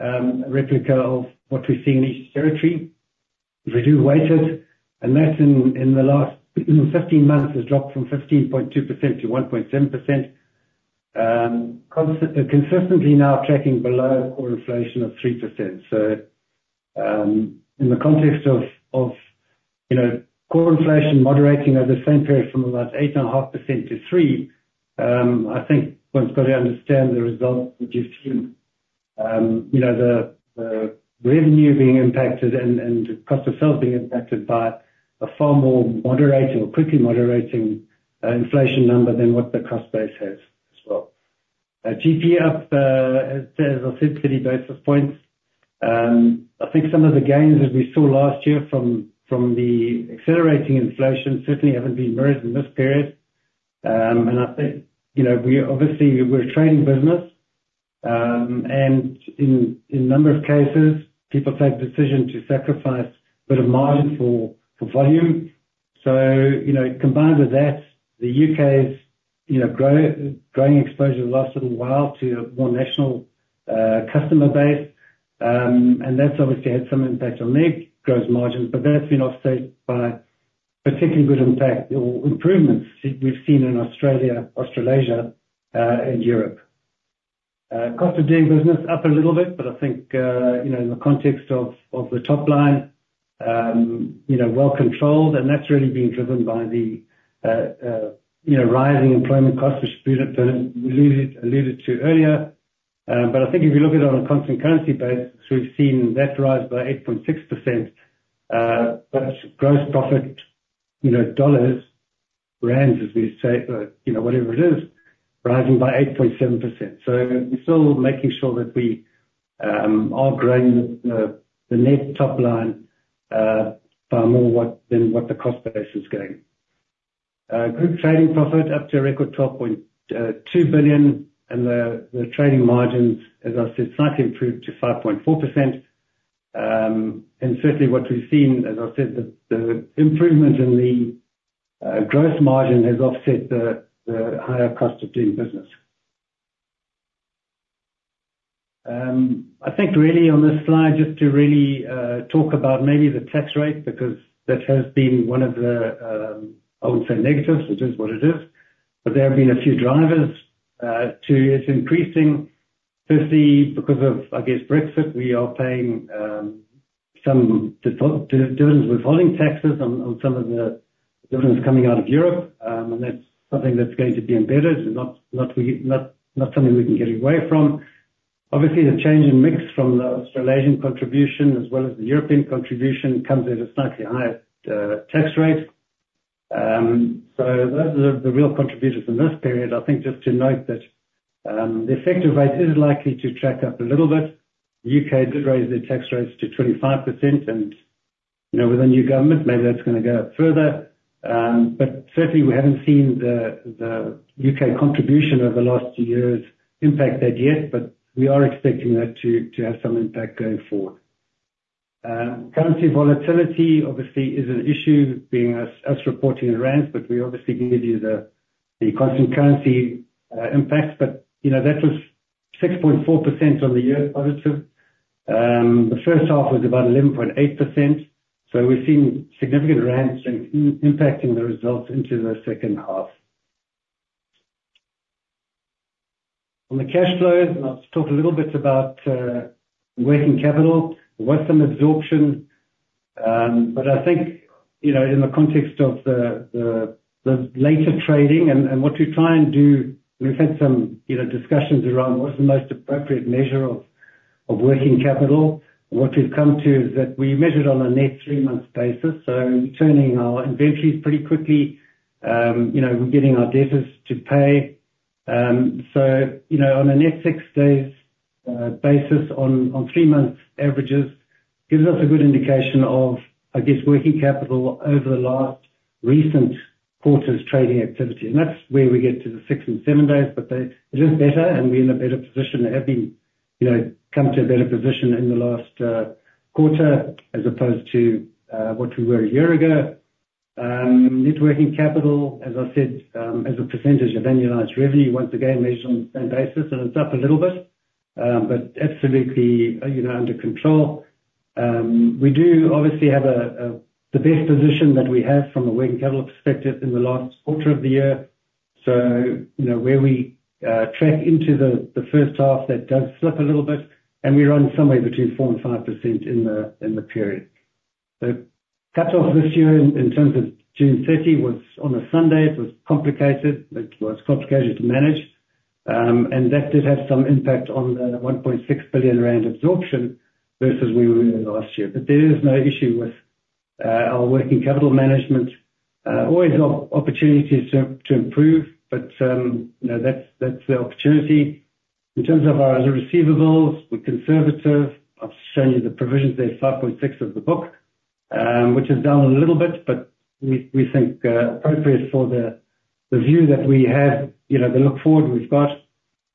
a replica of what we see in each territory. We do weigh it, and that in the last 15 months has dropped from 15.2% to 1.7%. Consistently now tracking below core inflation of 3%. So, in the context of, you know, core inflation moderating over the same period from about 8.5% to 3%, I think one's got to understand the result, which is, you know, the revenue being impacted and the cost of sales being impacted by a far more moderated or quickly moderating inflation number than what the cost base has as well. GP up, as I said, 30 basis points. I think some of the gains that we saw last year from the accelerating inflation certainly haven't been reversed in this period. And I think, you know, we are obviously, we're a trading business, and in a number of cases, people take decision to sacrifice a bit of margin for volume. So, you know, combined with that, the UK's, you know, growing exposure the last little while to a more national, customer base, and that's obviously had some impact on their gross margins, but that's been offset by particularly good impact or improvements we've seen in Australia, Australasia, and Europe. Cost of doing business up a little bit, but I think, you know, in the context of, of the top line, you know, well controlled, and that's really being driven by the, you know, rising employment costs, which Peter, alluded to earlier. But I think if you look at it on a constant currency basis, we've seen that rise by 8.6%, but gross profit, you know, dollars, rands, as we say, you know, whatever it is, rising by 8.7%. We're still making sure that we are growing the net top line by more than what the cost base is going. Group trading profit, up to a record 2.2 billion, and the trading margins, as I said, slightly improved to 5.4%. And certainly what we've seen, as I said, the improvement in the gross margin has offset the higher cost of doing business. I think really on this slide, just to really talk about maybe the tax rate, because that has been one of the, I would say, negatives, it is what it is. But there have been a few drivers to it increasing, simply because of, I guess, Brexit. We are paying some dividends, withholding taxes on some of the dividends coming out of Europe, and that's something that's going to be embedded, and not something we can get away from. Obviously, the change in mix from the Australasian contribution, as well as the European contribution, comes at a slightly higher tax rate. Those are the real contributors in this period. I think just to note that the effective rate is likely to track up a little bit. The U.K. did raise their tax rates to 25%, and you know, with a new government, maybe that's gonna go up further. Certainly we haven't seen the U.K. contribution over the last two years impact that yet, but we are expecting that to have some impact going forward. Currency volatility obviously is an issue, being us reporting in rands, but we obviously give you the constant currency impact. But, you know, that was 6.4% on the year positive. The first half was about 11.8%, so we've seen significant rands in impacting the results into the second half. On the cash flows, and I'll talk a little bit about working capital. We've some absorption, but I think, you know, in the context of the later trading and what we try and do, we've had some, you know, discussions around what's the most appropriate measure of working capital. What we've come to is that we measure it on a net three months basis, so turning our inventories pretty quickly, you know, we're getting our debtors to pay. So, you know, on a net six days basis, on three months averages, gives us a good indication of, I guess, working capital over the last recent quarter's trading activity. And that's where we get to the six and seven days, but it is better, and we're in a better position than have been. You know, come to a better position in the last quarter, as opposed to what we were a year ago. Net working capital, as I said, as a percentage of annualized revenue, once again, measured on the same basis, and it's up a little bit, but absolutely, you know, under control. We do obviously have a the best position that we have from a working capital perspective in the last quarter of the year. So, you know, where we track into the first half, that does slip a little bit, and we run somewhere between 4% and 5% in the period. The cutoff this year in terms of June 30 was on a Sunday. It was complicated to manage, and that did have some impact on the 1.6 billion rand absorption versus where we were last year. But there is no issue with our working capital management. Always opportunities to improve, but you know, that's the opportunity. In terms of our receivables, we're conservative. I've shown you the provisions there, 5.6% of the book, which is down a little bit, but we think appropriate for the view that we have, you know, the look forward we've got.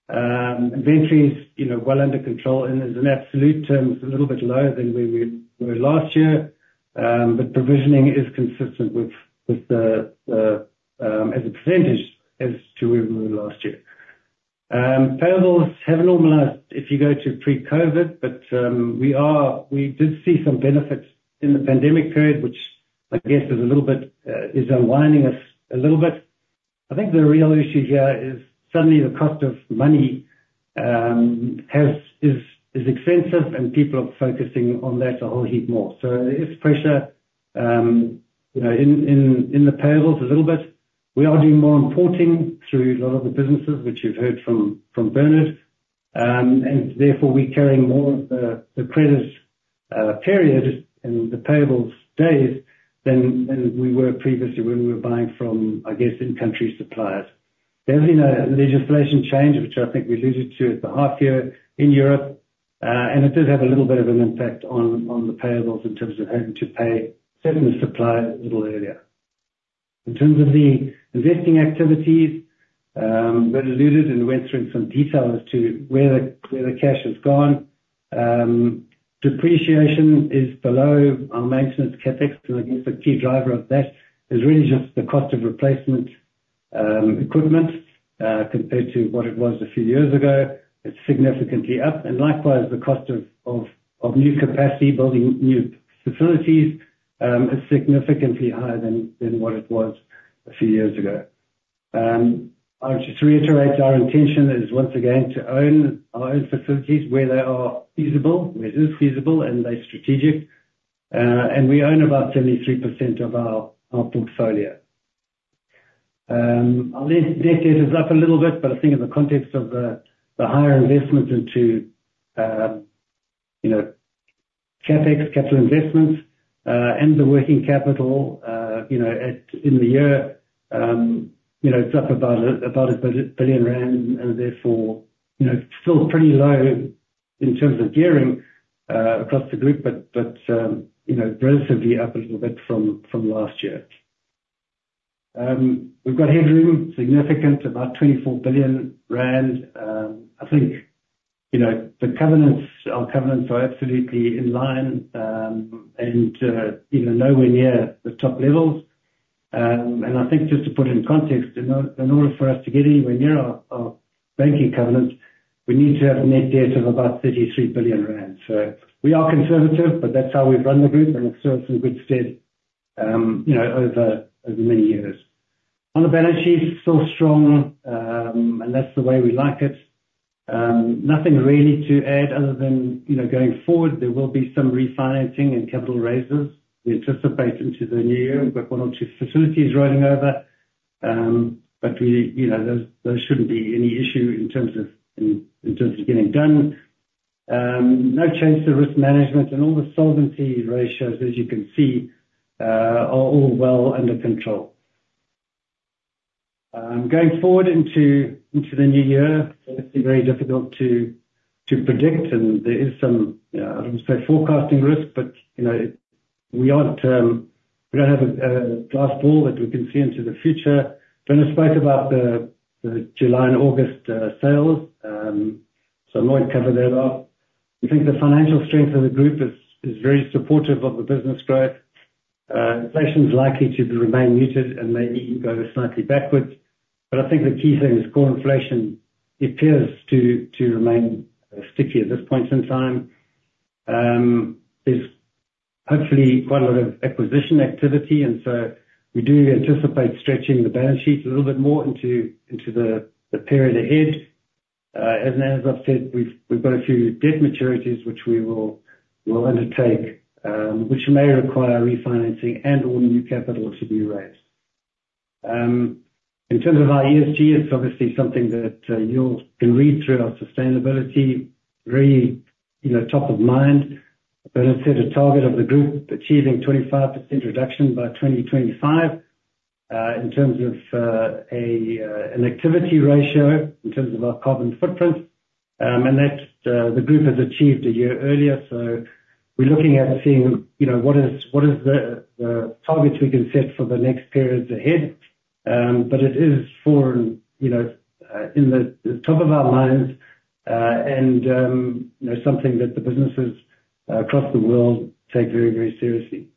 Inventory is, you know, well under control, and in absolute terms, a little bit lower than where we were last year. But provisioning is consistent with the, as a percentage as to where we were last year. Payables have normalized if you go to pre-COVID, but we did see some benefits in the pandemic period, which I guess is a little bit is unwinding us a little bit. I think the real issue here is suddenly the cost of money is expensive, and people are focusing on that a whole heap more. So there is pressure, you know, in the payables a little bit. We are doing more importing through a lot of the businesses, which you've heard from Bernard. And therefore, we're carrying more of the credit period and the payables days than we were previously when we were buying from, I guess, in-country suppliers. There's been a legislation change, which I think we alluded to at the half year in Europe, and it does have a little bit of an impact on the payables in terms of having to pay certain suppliers a little earlier. In terms of the investing activities, we've alluded and went through some detail as to where the cash has gone. Depreciation is below our maintenance CapEx, and I guess the key driver of that is really just the cost of replacement equipment compared to what it was a few years ago. It's significantly up, and likewise, the cost of new capacity, building new facilities, is significantly higher than what it was a few years ago. I would just reiterate our intention is once again to own our own facilities where they are feasible, where it is feasible and they're strategic. And we own about 73% of our portfolio. Our net debt is up a little bit, but I think in the context of the higher investments into, you know, CapEx, capital investments, and the working capital, you know, in the year, you know, it's up about 1 billion rand, and therefore, you know, still pretty low in terms of gearing across the group, but, you know, relatively up a little bit from last year. We've got headroom, significant, about 24 billion rand. I think, you know, the covenants, our covenants are absolutely in line, and, you know, nowhere near the top levels. And I think just to put it in context, in order for us to get anywhere near our banking covenants, we need to have a net debt of about 33 billion rand. So we are conservative, but that's how we've run the group, and it's served us in good stead, you know, over many years. On the balance sheet, still strong, and that's the way we like it. Nothing really to add other than, you know, going forward, there will be some refinancing and capital raises. We anticipate into the new year, we've got one or two facilities rolling over. But we, you know, those shouldn't be any issue in terms of getting it done. No change to risk management, and all the solvency ratios, as you can see, are all well under control. Going forward into the new year, obviously very difficult to predict, and there is some, I would say, forecasting risk, but, you know, we aren't, we don't have a glass ball that we can see into the future. Bernard spoke about the July and August sales, so I won't cover that up. We think the financial strength of the group is very supportive of the business growth. Inflation is likely to remain muted and maybe even go slightly backwards, but I think the key thing is core inflation appears to remain sticky at this point in time. There's hopefully quite a lot of acquisition activity, and so we do anticipate stretching the balance sheet a little bit more into the period ahead, and as I've said, we've got a few debt maturities, which we will undertake, which may require refinancing and/or new capital to be raised. In terms of our ESG, it's obviously something that you all can read through our sustainability. Very, you know, top of mind, but it's set a target of the group achieving 25% reduction by 2025, in terms of, an activity ratio in terms of our carbon footprint, and that, the group has achieved a year earlier. So we're looking at seeing, you know, what is the targets we can set for the next periods ahead. But it is forward, you know, in the top of our minds, and, you know, something that the businesses across the world take very, very seriously.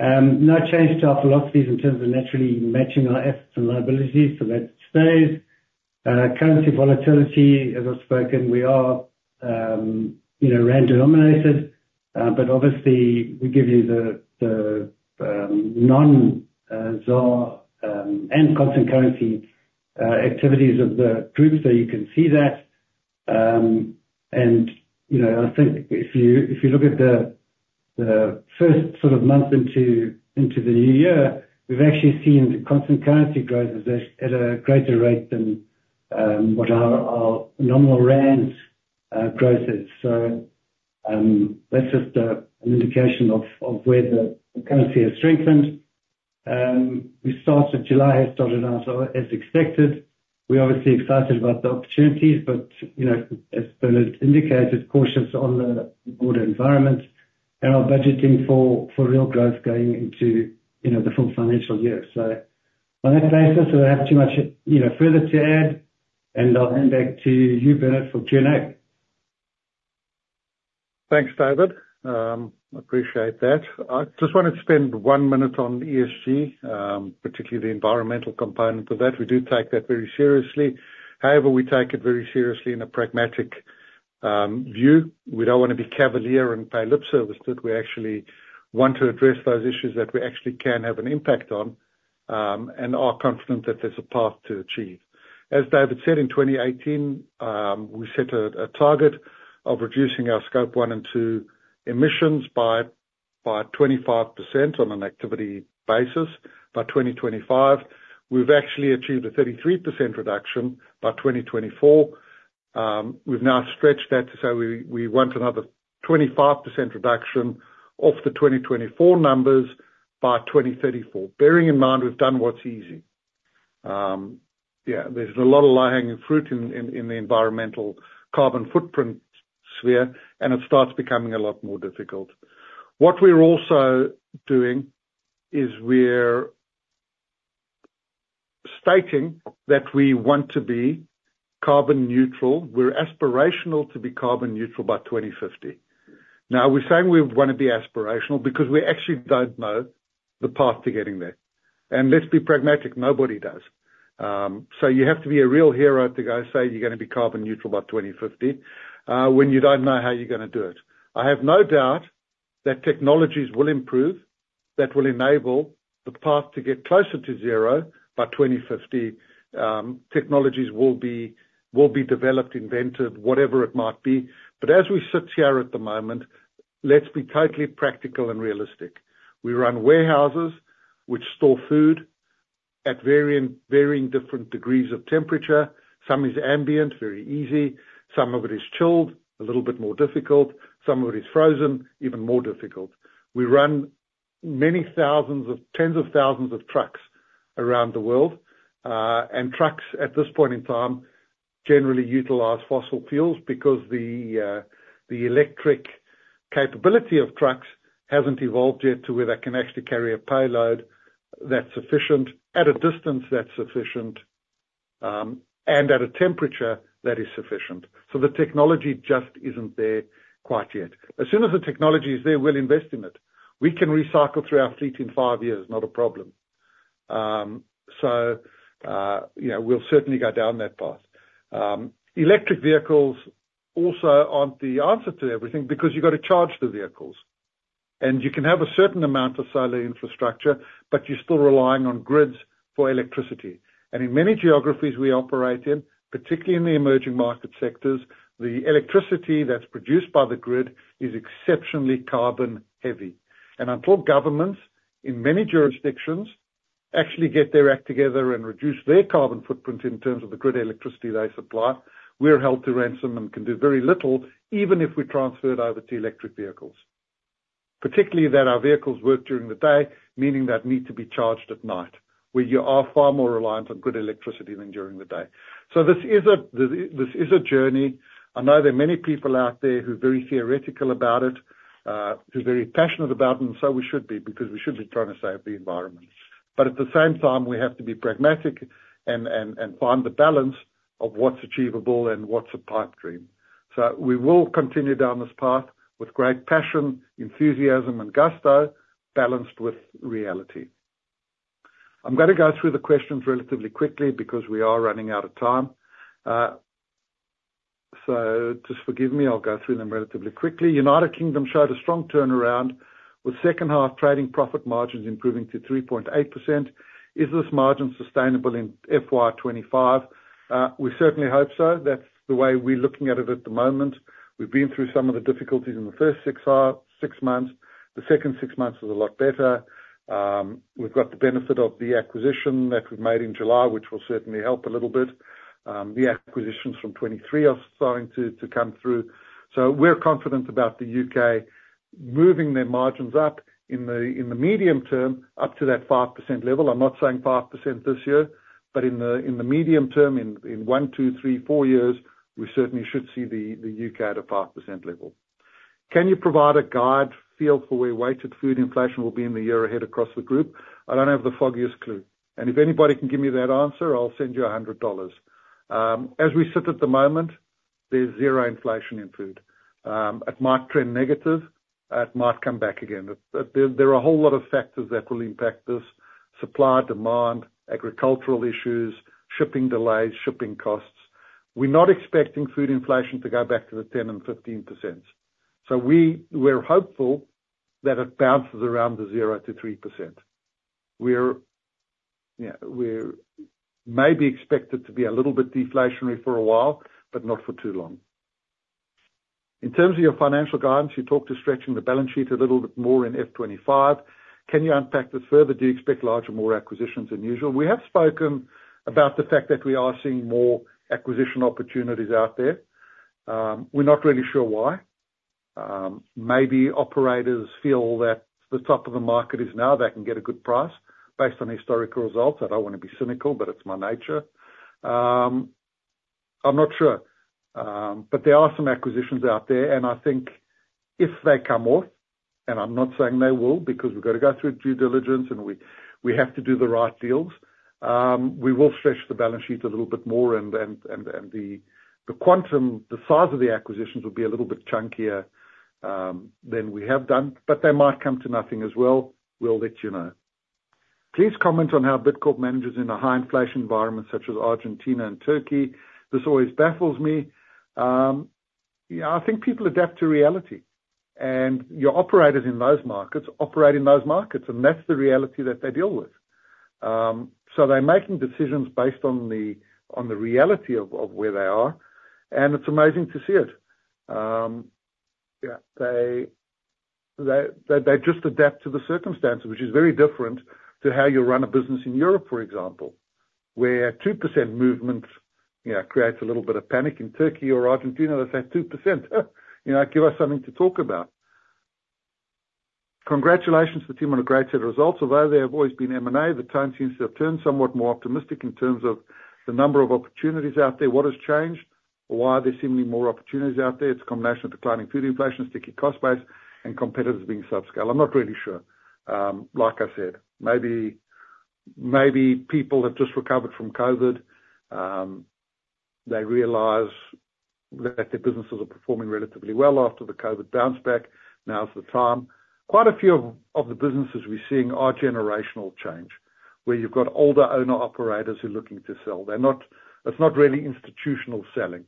No change to our philosophies in terms of naturally matching our assets and liabilities, so that stays. Currency volatility, as I've spoken, we are, you know, rand-denominated, but obviously, we give you the, the, non, ZAR, and constant currency, activities of the group, so you can see that. And, you know, I think if you, if you look at the, the first sort of month into, into the new year, we've actually seen the constant currency growth as a, at a greater rate than, what our, our nominal rand, growth is. So, that's just a, an indication of, of where the, the currency has strengthened. We started, July has started out as, as expected. We're obviously excited about the opportunities, but, you know, as Bernard indicated, cautious on the broader environment, and are budgeting for, for real growth going into, you know, the full financial year. So on that basis, I don't have too much, you know, further to add, and I'll hand back to you, Bernard, for Q&A. Thanks, David. Appreciate that. I just wanna spend one minute on ESG, particularly the environmental component of that. We do take that very seriously. However, we take it very seriously in a pragmatic, view. We don't wanna be cavalier and pay lip service to it. We actually want to address those issues that we actually can have an impact on, and are confident that there's a path to achieve. As David said, in 2018, we set a target of reducing our Scope 1 and 2 emissions by 25% on an activity basis by 2025. We've actually achieved a 33% reduction by 2024. We've now stretched that to say we want another 25% reduction off the 2024 numbers by 2034, bearing in mind, we've done what's easy. Yeah, there's a lot of low-hanging fruit in the environmental carbon footprint sphere, and it starts becoming a lot more difficult. What we're also doing is we're stating that we want to be carbon neutral. We're aspirational to be carbon neutral by 2050. Now, we're saying we wanna be aspirational because we actually don't know the path to getting there, and let's be pragmatic, nobody does. So you have to be a real hero to go say you're gonna be carbon neutral by 2050, when you don't know how you're gonna do it. I have no doubt that technologies will improve, that will enable the path to get closer to zero by 2050. Technologies will be developed, invented, whatever it might be, but as we sit here at the moment, let's be totally practical and realistic. We run warehouses which store food at varying different degrees of temperature. Some is ambient, very easy, some of it is chilled, a little bit more difficult, some of it is frozen, even more difficult. We run tens of thousands of trucks around the world, and trucks, at this point in time, generally utilize fossil fuels because the, the electric capability of trucks hasn't evolved yet to where they can actually carry a payload that's sufficient, at a distance that's sufficient, and at a temperature that is sufficient. So the technology just isn't there quite yet. As soon as the technology is there, we'll invest in it. We can recycle through our fleet in five years, not a problem. So, you know, we'll certainly go down that path. Electric vehicles also aren't the answer to everything, because you've gotta charge the vehicles, and you can have a certain amount of solar infrastructure, but you're still relying on grids for electricity. In many geographies we operate in, particularly in the emerging market sectors, the electricity that's produced by the grid is exceptionally carbon heavy. Until governments, in many jurisdictions, actually get their act together and reduce their carbon footprint in terms of the grid electricity they supply, we're held to ransom and can do very little, even if we transferred over to electric vehicles. Our vehicles work during the day, meaning they need to be charged at night, where you are far more reliant on grid electricity than during the day. This is a journey. I know there are many people out there who are very theoretical about it, who are very passionate about it, and so we should be, because we should be trying to save the environment. But at the same time, we have to be pragmatic and find the balance of what's achievable and what's a pipe dream. So we will continue down this path with great passion, enthusiasm, and gusto, balanced with reality. I'm gonna go through the questions relatively quickly, because we are running out of time. So just forgive me, I'll go through them relatively quickly. United Kingdom showed a strong turnaround with second half trading profit margins improving to 3.8%. Is this margin sustainable in FY 2025? We certainly hope so. That's the way we're looking at it at the moment. We've been through some of the difficulties in the first six months. The second six months was a lot better. We've got the benefit of the acquisition that we've made in July, which will certainly help a little bit. The acquisitions from 2023 are starting to come through. So we're confident about the UK moving their margins up in the medium term, up to that 5% level. I'm not saying 5% this year, but in the medium term, in one, two, three, four years, we certainly should see the UK at a 5% level. Can you provide a guide feel for where weighted food inflation will be in the year ahead across the group? I don't have the foggiest clue, and if anybody can give me that answer, I'll send you $100. As we sit at the moment, there's zero inflation in food. It might trend negative, it might come back again. But there are a whole lot of factors that will impact this: supply, demand, agricultural issues, shipping delays, shipping costs. We're not expecting food inflation to go back to the 10% and 15%. So we're hopeful that it bounces around the 0%-3%. We're, yeah, we're maybe expected to be a little bit deflationary for a while, but not for too long. In terms of your financial guidance, you talked to stretching the balance sheet a little bit more in Fiscal 2025. Can you unpack this further? Do you expect larger, more acquisitions than usual? We have spoken about the fact that we are seeing more acquisition opportunities out there. We're not really sure why. Maybe operators feel that the top of the market is now, they can get a good price based on historical results. I don't want to be cynical, but it's my nature. I'm not sure. But there are some acquisitions out there, and I think if they come off, and I'm not saying they will, because we've got to go through due diligence, and we have to do the right deals, we will stretch the balance sheet a little bit more, and the quantum, the size of the acquisitions will be a little bit chunkier than we have done, but they might come to nothing as well. We'll let you know. Please comment on how Bidcorp manages in a high inflation environment such as Argentina and Turkey. This always baffles me. Yeah, I think people adapt to reality, and your operators in those markets operate in those markets, and that's the reality that they deal with. So they're making decisions based on the reality of where they are, and it's amazing to see it. Yeah, they just adapt to the circumstances, which is very different to how you run a business in Europe, for example, where 2% movement, you know, creates a little bit of panic. In Turkey or Argentina, they say, "2%, you know, give us something to talk about." Congratulations to the team on a great set of results. Although there have always been M&A, the tone seems to have turned somewhat more optimistic in terms of the number of opportunities out there. What has changed, or why are there seemingly more opportunities out there? It's a combination of declining food inflation, sticky cost base, and competitors being subscale. I'm not really sure. Like I said, maybe people have just recovered from COVID. They realize that their businesses are performing relatively well after the COVID bounce back. Now is the time. Quite a few of the businesses we're seeing are generational change, where you've got older owner-operators who are looking to sell. They're not... It's not really institutional selling,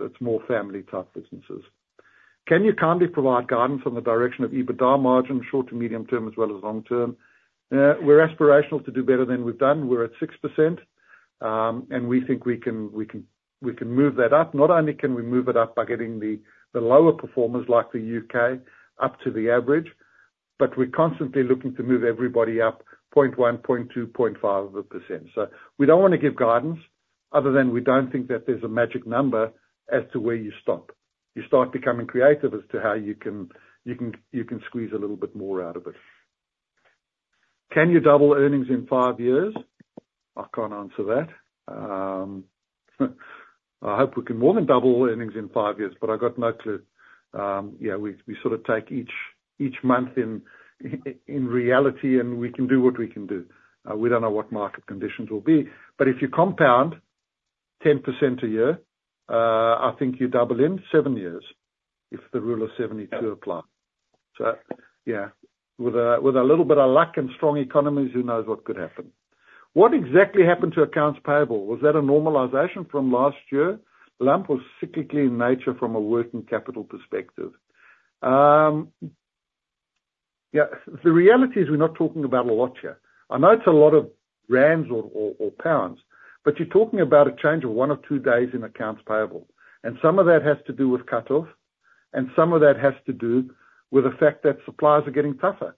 it's more family-type businesses. Can you kindly provide guidance on the direction of EBITDA margin, short to medium term, as well as long term? We're aspirational to do better than we've done. We're at 6%, and we think we can move that up. Not only can we move it up by getting the lower performers, like the UK, up to the average, but we're constantly looking to move everybody up 0.1%, 0.2%, 0.5%. So we don't want to give guidance, other than we don't think that there's a magic number as to where you stop. You start becoming creative as to how you can squeeze a little bit more out of it. Can you double earnings in five years? I can't answer that. I hope we can more than double earnings in five years, but I've got no clue. Yeah, we sort of take each month in reality, and we can do what we can do. We don't know what market conditions will be. But if you compound 10% a year, I think you double in seven years, if the rule of seventy-two apply. So yeah, with a, with a little bit of luck and strong economies, who knows what could happen? What exactly happened to accounts payable? Was that a normalization from last year? LAMP was cyclically in nature from a working capital perspective. Yeah, the reality is we're not talking about a lot here. I know it's a lot of rands or, or, or pounds, but you're talking about a change of one or two days in accounts payable, and some of that has to do with cut-off, and some of that has to do with the fact that suppliers are getting tougher.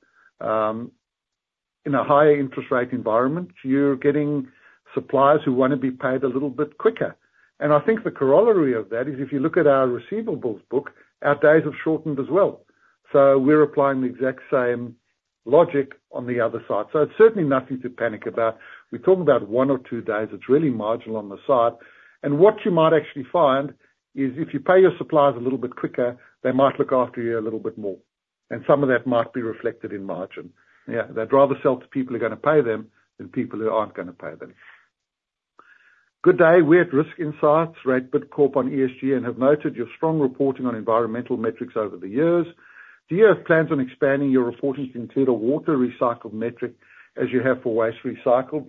In a higher interest rate environment, you're getting suppliers who want to be paid a little bit quicker. I think the corollary of that is if you look at our receivables book, our days have shortened as well. So we're applying the exact same logic on the other side. So it's certainly nothing to panic about. We're talking about one or two days. It's really marginal on the side, and what you might actually find is if you pay your suppliers a little bit quicker, they might look after you a little bit more, and some of that might be reflected in margin. Yeah, they'd rather sell to people who are gonna pay them than people who aren't gonna pay them. Good day. We're at Risk Insights, ranked Bidcorp on ESG, and have noted your strong reporting on environmental metrics over the years. Do you have plans on expanding your reporting to include a water recycle metric as you have for waste recycled?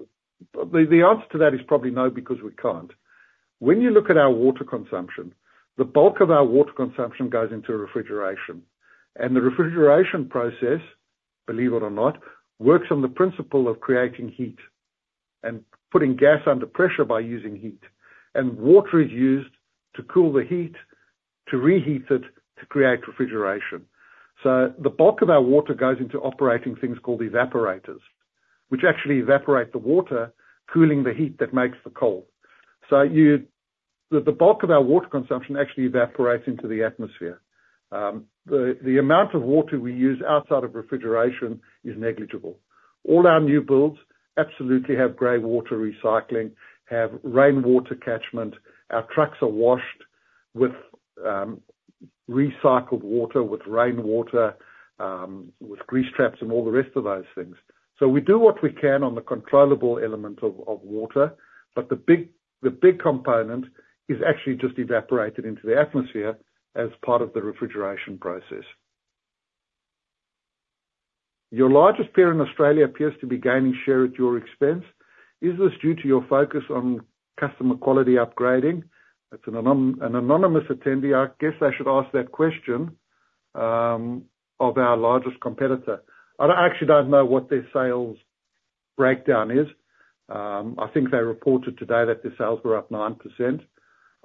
The answer to that is probably no, because we can't. When you look at our water consumption, the bulk of our water consumption goes into refrigeration, and the refrigeration process, believe it or not, works on the principle of creating heat and putting gas under pressure by using heat, and water is used to cool the heat, to reheat it, to create refrigeration. So the bulk of our water goes into operating things called evaporators, which actually evaporate the water, cooling the heat that makes the cold. The bulk of our water consumption actually evaporates into the atmosphere. The amount of water we use outside of refrigeration is negligible. All our new builds absolutely have gray water recycling, have rainwater catchment. Our trucks are washed with recycled water, with rainwater, with grease traps and all the rest of those things. So we do what we can on the controllable element of water, but the big component is actually just evaporated into the atmosphere as part of the refrigeration process. "Your largest peer in Australia appears to be gaining share at your expense. Is this due to your focus on customer quality upgrading?" It's an anonymous attendee. I guess I should ask that question of our largest competitor. I actually don't know what their sales breakdown is. I think they reported today that their sales were up 9%.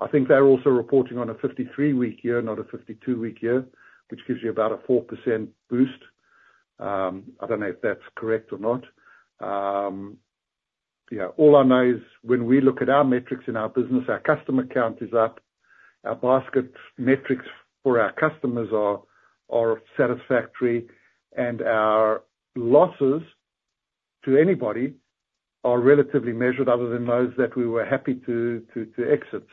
I think they're also reporting on a 53-week year, not a 52-week year, which gives you about a 4% boost. I don't know if that's correct or not. Yeah, all I know is when we look at our metrics in our business, our customer count is up, our basket metrics for our customers are satisfactory, and our losses to anybody are relatively measured other than those that we were happy to exit.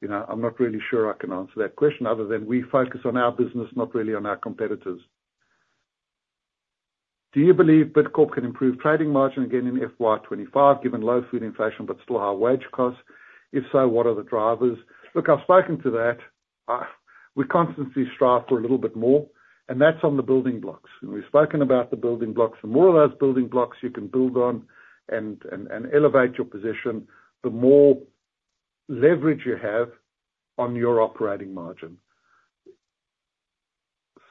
You know, I'm not really sure I can answer that question, other than we focus on our business, not really on our competitors. "Do you believe Bidcorp can improve trading margin again in FY 2025, given low food inflation but still high wage costs? If so, what are the drivers?" Look, I've spoken to that. We constantly strive for a little bit more, and that's on the building blocks. We've spoken about the building blocks, and more of those building blocks you can build on and elevate your position, the more leverage you have on your operating margin.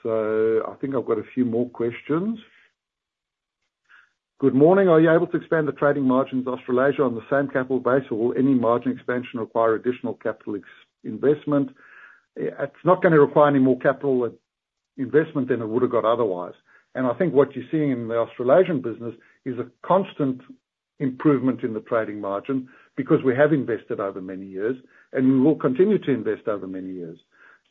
So I think I've got a few more questions. "Good morning. Are you able to expand the trading margins of Australasia on the same capital base, or will any margin expansion require additional capex investment?" It's not gonna require any more capital investment than it would've got otherwise. And I think what you're seeing in the Australasian business is a constant improvement in the trading margin because we have invested over many years, and we will continue to invest over many years.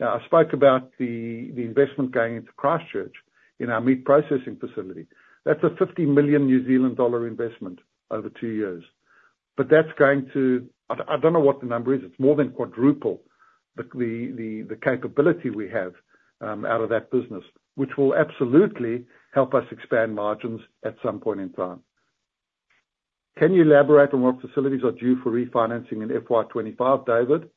Now, I spoke about the investment going into Christchurch, in our meat processing facility. That's a 50 million New Zealand dollar investment over two years. But that's going to... I don't know what the number is. It's more than quadruple the capability we have out of that business, which will absolutely help us expand margins at some point in time. "Can you elaborate on what facilities are due for refinancing in FY 2025, David?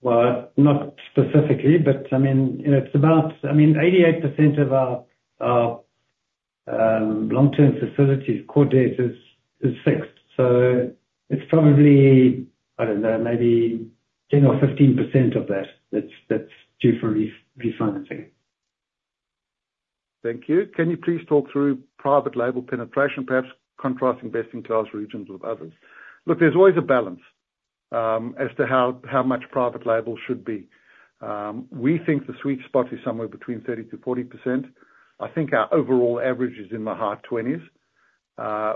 Well, not specifically, but I mean, you know, it's about 88% of our long-term facilities, core debt, is fixed. So it's probably, I don't know, maybe 10 or 15% of that, that's due for refinancing. Thank you. "Can you please talk through private label penetration, perhaps contrasting best-in-class regions with others?" Look, there's always a balance as to how much private label should be. We think the sweet spot is somewhere between 30%-40%. I think our overall average is in the high 20s.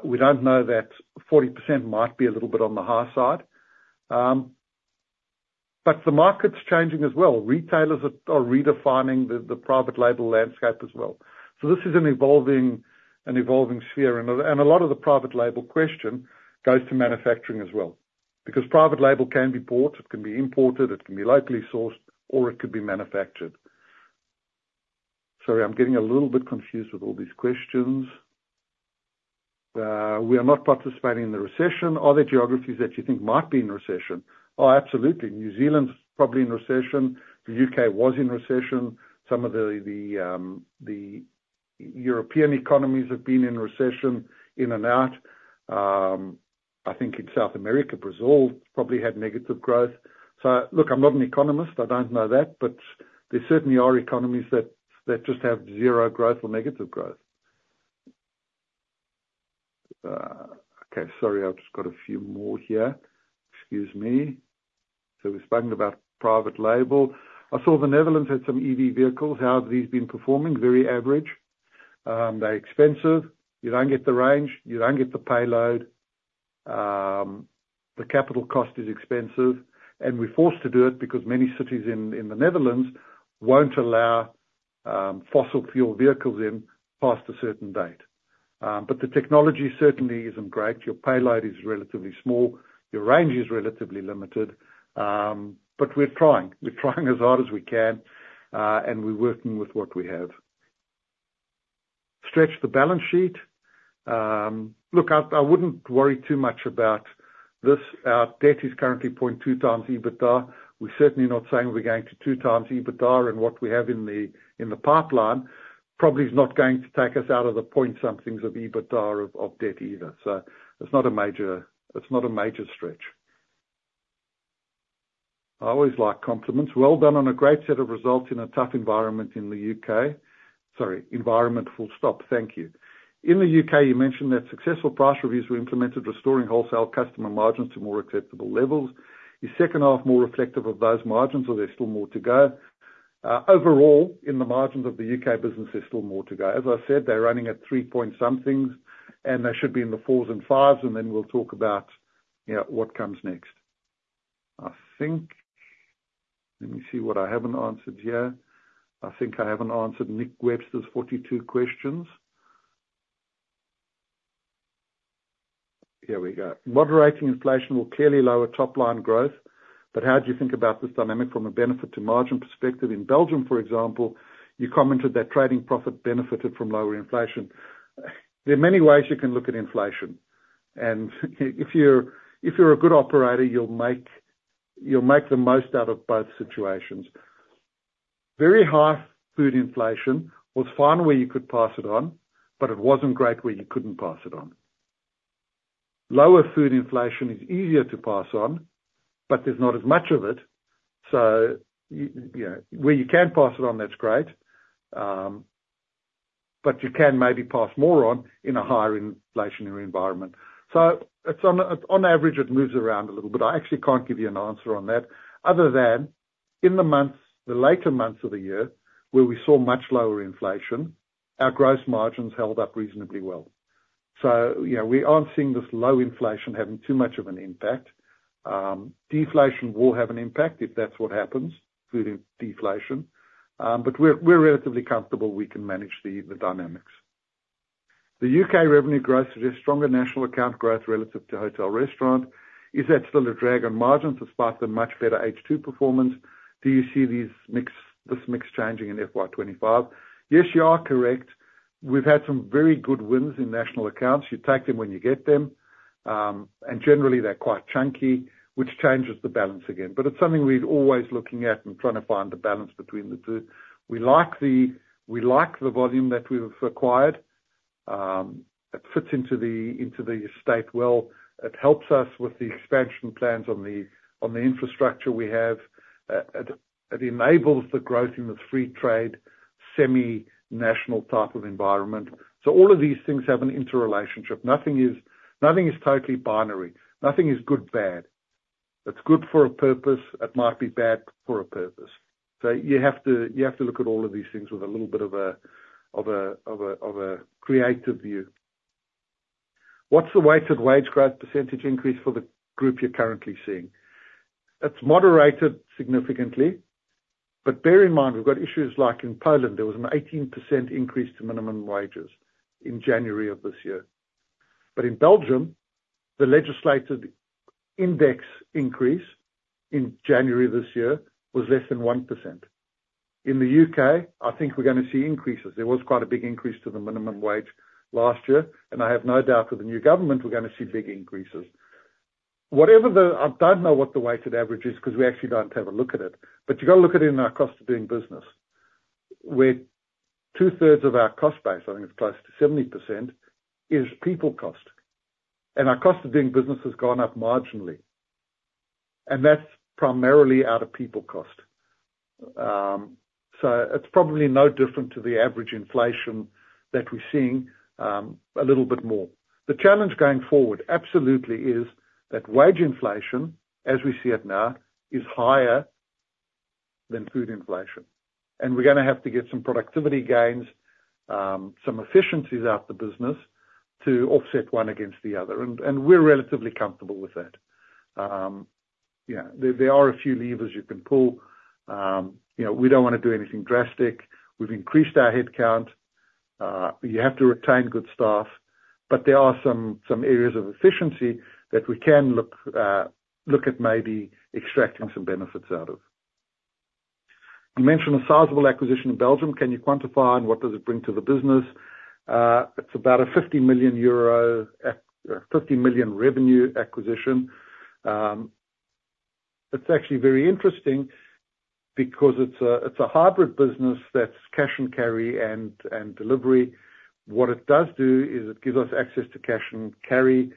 We don't know that 40% might be a little bit on the high side. But the market's changing as well. Retailers are redefining the private label landscape as well. So this is an evolving sphere, and a lot of the private label question goes to manufacturing as well. Because private label can be bought, it can be imported, it can be locally sourced, or it could be manufactured. Sorry, I'm getting a little bit confused with all these questions. "We are not participating in the recession. Are there geographies that you think might be in recession?" Oh, absolutely. New Zealand's probably in recession. The U.K. was in recession. Some of the European economies have been in recession, in and out. I think in South America, Brazil probably had negative growth. So look, I'm not an economist, I don't know that, but there certainly are economies that just have zero growth or negative growth. Okay, sorry, I've just got a few more here. Excuse me. So we've spoken about private label. "I saw the Netherlands had some EV vehicles. How have these been performing?" Very average. They're expensive. You don't get the range. You don't get the payload. The capital cost is expensive, and we're forced to do it because many cities in the Netherlands won't allow fossil fuel vehicles in past a certain date. But the technology certainly isn't great. Your payload is relatively small. Your range is relatively limited. But we're trying as hard as we can, and we're working with what we have. "Stretch the balance sheet?" Look, I wouldn't worry too much about this. Our debt is currently 0.2x EBITDA. We're certainly not saying we're going to 2x EBITDA, and what we have in the pipeline probably is not going to take us out of the point-somethings of EBITDA of debt either. So it's not a major stretch. I always like compliments. "Well done on a great set of results in a tough environment in the UK." Sorry, environment full stop. Thank you. "In the UK, you mentioned that successful price reviews were implemented, restoring wholesale customer margins to more acceptable levels. Is second half more reflective of those margins, or there's still more to go?" Overall, in the margins of the UK business, there's still more to go. As I said, they're running at three point-somethings, and they should be in the fours and fives, and then we'll talk about, you know, what comes next. I think, let me see what I haven't answered here. I think I haven't answered Nick Webster's 42 questions. Here we go. Moderating inflation will clearly lower top line growth, but how do you think about this dynamic from a benefit to margin perspective? In Belgium, for example, you commented that trading profit benefited from lower inflation. There are many ways you can look at inflation, and if you're a good operator, you'll make the most out of both situations. Very high food inflation was fine where you could pass it on, but it wasn't great where you couldn't pass it on. Lower food inflation is easier to pass on, but there's not as much of it, so you know, where you can pass it on, that's great, but you can maybe pass more on in a higher inflationary environment. So it's on average, it moves around a little bit. I actually can't give you an answer on that, other than in the months, the later months of the year, where we saw much lower inflation, our gross margins held up reasonably well. So, you know, we aren't seeing this low inflation having too much of an impact. Deflation will have an impact if that's what happens, including deflation, but we're relatively comfortable we can manage the dynamics. The UK revenue growth suggests stronger national account growth relative to hotel restaurant. Is that still a drag on margins despite the much better H2 performance? Do you see this mix changing in FY twenty-five? Yes, you are correct. We've had some very good wins in national accounts. You take them when you get them, and generally, they're quite chunky, which changes the balance again. But it's something we're always looking at and trying to find the balance between the two. We like the volume that we've acquired. It fits into the estate well. It helps us with the expansion plans on the infrastructure we have. It enables the growth in the free trade, semi-national type of environment. So all of these things have an interrelationship. Nothing is totally binary. Nothing is good, bad. It's good for a purpose, it might be bad for a purpose. So you have to look at all of these things with a little bit of a creative view. What's the weighted wage growth percentage increase for the group you're currently seeing? It's moderated significantly, but bear in mind, we've got issues like in Poland, there was an 18% increase to minimum wages in January of this year. But in Belgium, the legislated index increase in January this year was less than 1%. In the U.K., I think we're gonna see increases. There was quite a big increase to the minimum wage last year, and I have no doubt with the new government, we're gonna see big increases. Whatever the... I don't know what the weighted average is, because we actually don't have a look at it, but you've got to look at it in our cost of doing business, where 2/3 of our cost base, I think it's close to 70%, is people cost. And our cost of doing business has gone up marginally, and that's primarily out of people cost. So it's probably no different to the average inflation that we're seeing, a little bit more. The challenge going forward absolutely is that wage inflation, as we see it now, is higher than food inflation. And we're gonna have to get some productivity gains, some efficiencies out the business to offset one against the other, and we're relatively comfortable with that. Yeah, there are a few levers you can pull. You know, we don't want to do anything drastic. We've increased our headcount. You have to retain good staff, but there are some areas of efficiency that we can look at maybe extracting some benefits out of. You mentioned a sizable acquisition in Belgium. Can you quantify, and what does it bring to the business? It's about a 50 million euro revenue acquisition. It's actually very interesting because it's a hybrid business that's cash and carry and delivery. What it does do is it gives us access to cash and carry.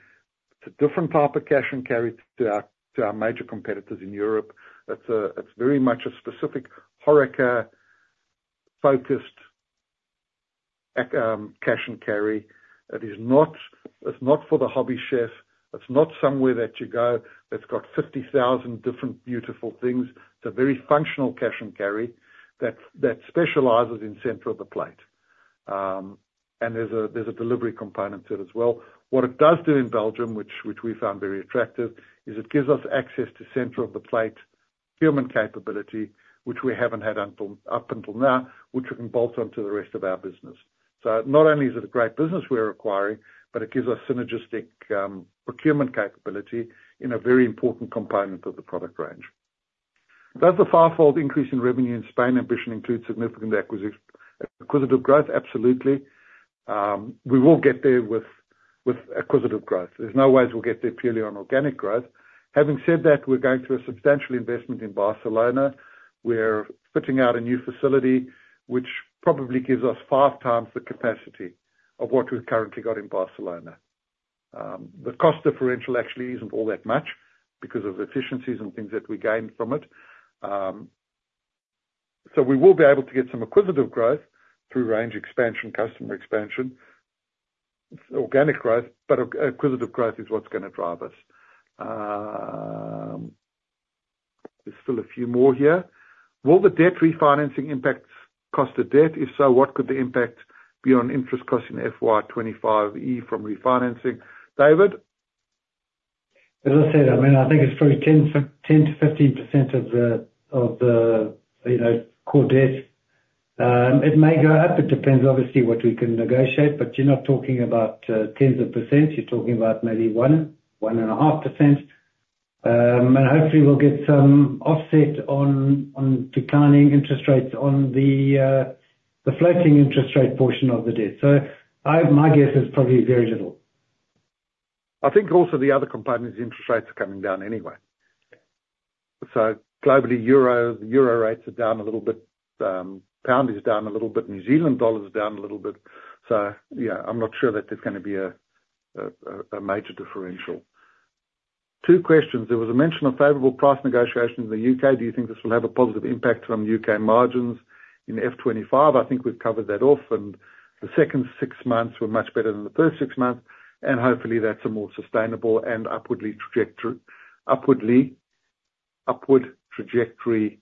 It's a different type of cash and carry to our major competitors in Europe. It's very much a specific HoReCa-focused cash and carry. It is not for the hobby chef. It's not somewhere that you go that's got 50,000 different beautiful things. It's a very functional cash and carry that specializes in center of the plate. There's a delivery component to it as well. What it does do in Belgium, which we found very attractive, is it gives us access to center of the plate procurement capability, which we haven't had up until now, which we can bolt onto the rest of our business. So not only is it a great business we're acquiring, but it gives us synergistic procurement capability in a very important component of the product range. Does the fivefold increase in revenue in Spain ambition include significant acquisition, acquisitive growth? Absolutely. We will get there with acquisitive growth. There's no ways we'll get there purely on organic growth. Having said that, we're going through a substantial investment in Barcelona. We're fitting out a new facility, which probably gives us 5x the capacity of what we've currently got in Barcelona. The cost differential actually isn't all that much because of efficiencies and things that we gained from it, so we will be able to get some acquisitive growth through range expansion, customer expansion, organic growth, but acquisitive growth is what's gonna drive us. There's still a few more here. Will the debt refinancing impact cost of debt? If so, what could the impact beyond interest costing FY 2025E from refinancing. David? As I said, I mean, I think it's probably 10%-15% of the you know core debt. It may go up. It depends, obviously, what we can negotiate, but you're not about tens of percent. You're talking about maybe 1.5%, and hopefully we'll get some offset on declining interest rates on the floating interest rate portion of the debt. My guess is probably very little. I think also the other component is interest rates are coming down anyway. So globally, euro rates are down a little bit, pound is down a little bit, New Zealand dollar is down a little bit. So yeah, I'm not sure that there's gonna be a major differential. Two questions: There was a mention of favorable price negotiations in the UK. Do you think this will have a positive impact on UK margins in FY twenty-five? I think we've covered that off, and the second six months were much better than the first six months, and hopefully, that's a more sustainable and upward trajectory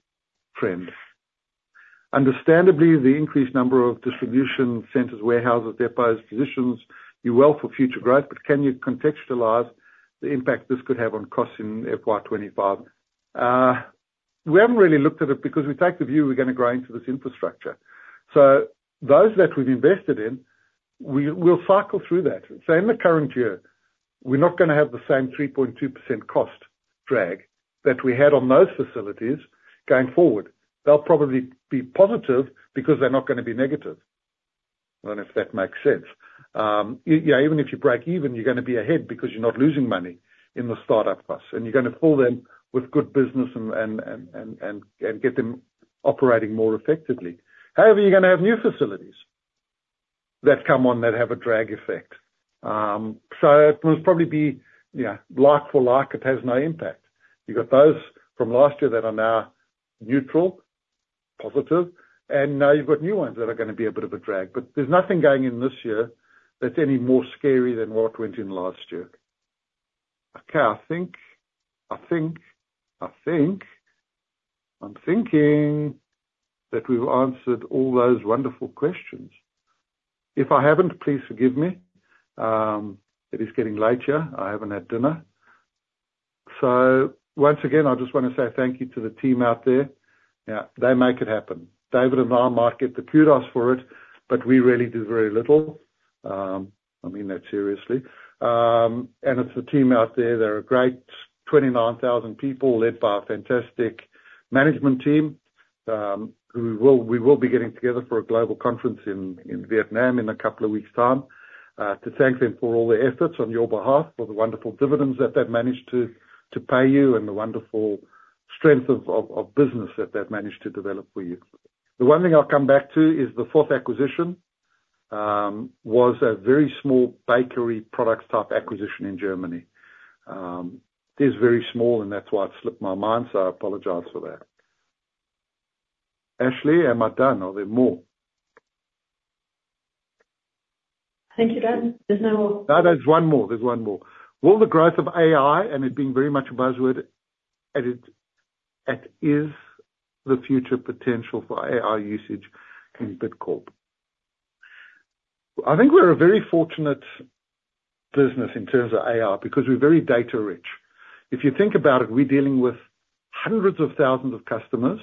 trend. Understandably, the increased number of distribution centers, warehouses, depots positions you well for future growth, but can you contextualize the impact this could have on costs in FY 2025? We haven't really looked at it, because we take the view we're gonna grow into this infrastructure. So those that we've invested in, we'll cycle through that. So in the current year, we're not gonna have the same 3.2% cost drag that we had on those facilities going forward. They'll probably be positive because they're not gonna be negative. I don't know if that makes sense. Yeah, even if you break even, you're gonna be ahead, because you're not losing money in the startup costs, and you're gonna pull them with good business and get them operating more effectively. However, you're gonna have new facilities that come on, that have a drag effect. So it will probably be, you know, like for like, it has no impact. You've got those from last year that are now neutral, positive, and now you've got new ones that are gonna be a bit of a drag. But there's nothing going in this year that's any more scary than what went in last year. Okay, I think, I'm thinking that we've answered all those wonderful questions. If I haven't, please forgive me. It is getting late here. I haven't had dinner. So once again, I just wanna say thank you to the team out there. Yeah, they make it happen. David and I might get the kudos for it, but we really do very little. I mean that seriously. And it's the team out there, they're a great twenty-nine thousand people, led by a fantastic management team, who will we will be getting together for a global conference in Vietnam in a couple of weeks' time, to thank them for all the efforts on your behalf, for the wonderful dividends that they've managed to pay you, and the wonderful strength of business that they've managed to develop for you. The one thing I'll come back to is the fourth acquisition was a very small bakery product type acquisition in Germany. It is very small, and that's why it slipped my mind, so I apologize for that. Ashley, am I done? Are there more? I think you're done. There's no more. No, there's one more. There's one more. Will the growth of AI, and it being very much a buzzword, and what is the future potential for AI usage in Bidcorp? I think we're a very fortunate business in terms of AI, because we're very data rich. If you think about it, we're dealing with hundreds of thousands of customers,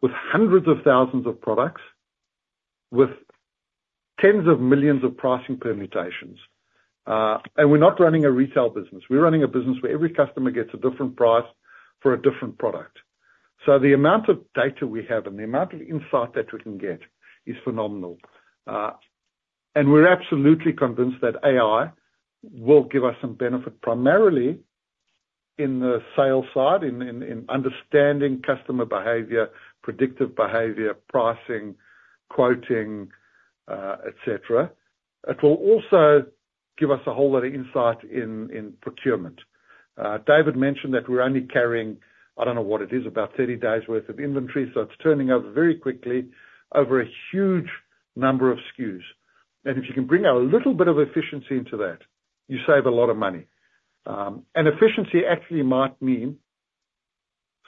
with hundreds of thousands of products, with tens of millions of pricing permutations. And we're not running a retail business. We're running a business where every customer gets a different price for a different product. So the amount of data we have and the amount of insight that we can get is phenomenal. And we're absolutely convinced that AI will give us some benefit, primarily in the sales side, in understanding customer behavior, predictive behavior, pricing, quoting, et cetera. It will also give us a whole lot of insight in procurement. David mentioned that we're only carrying, I don't know what it is, about 30 days worth of inventory, so it's turning over very quickly over a huge number of SKUs, and if you can bring a little bit of efficiency into that, you save a lot of money, and efficiency actually might mean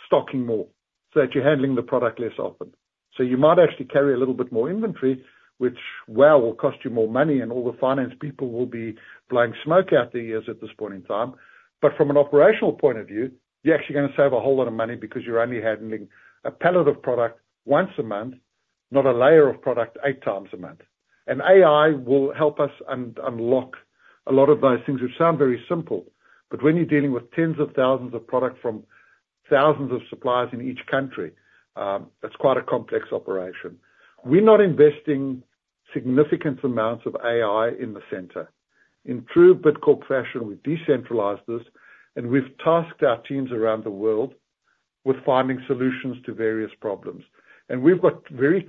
stocking more, so that you're handling the product less often, so you might actually carry a little bit more inventory, which, well, will cost you more money, and all the finance people will be blowing smoke out their ears at this point in time, but from an operational point of view, you're actually gonna save a whole lot of money, because you're only handling a pallet of product once a month, not a layer of product 8x a month. AI will help us unlock a lot of those things, which sound very simple, but when you're dealing with tens of thousands of products from thousands of suppliers in each country, it's quite a complex operation. We're not investing significant amounts of AI in the center. In true Bidcorp fashion, we've decentralized this, and we've tasked our teams around the world with finding solutions to various problems. We've got very,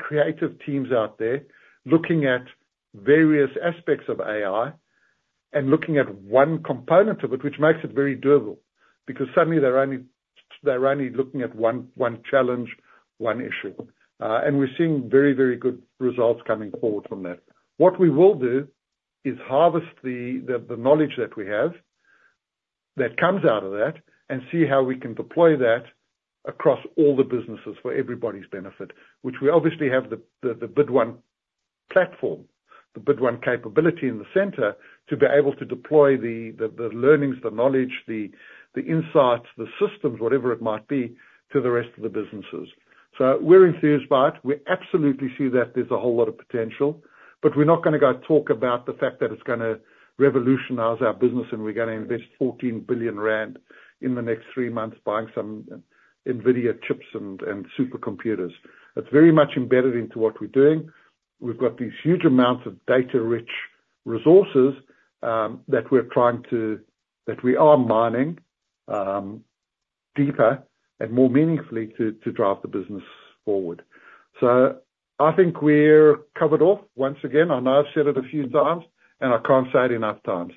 very good results coming forward from that. What we will do is harvest the knowledge that we have that comes out of that and see how we can deploy that across all the businesses for everybody's benefit. Which we obviously have the BidOne platform, the BidOne capability in the center, to be able to deploy the learnings, the knowledge, the insights, the systems, whatever it might be, to the rest of the businesses. So we're enthused by it. We absolutely see that there's a whole lot of potential, but we're not gonna go talk about the fact that it's gonna revolutionize our business, and we're gonna invest 14 billion rand in the next three months, buying some NVIDIA chips and supercomputers. It's very much embedded into what we're doing. We've got these huge amounts of data-rich resources that we're trying to... That we are mining deeper and more meaningfully to drive the business forward. So I think we're covered off. Once again, I know I've said it a few times, and I can't say it enough times: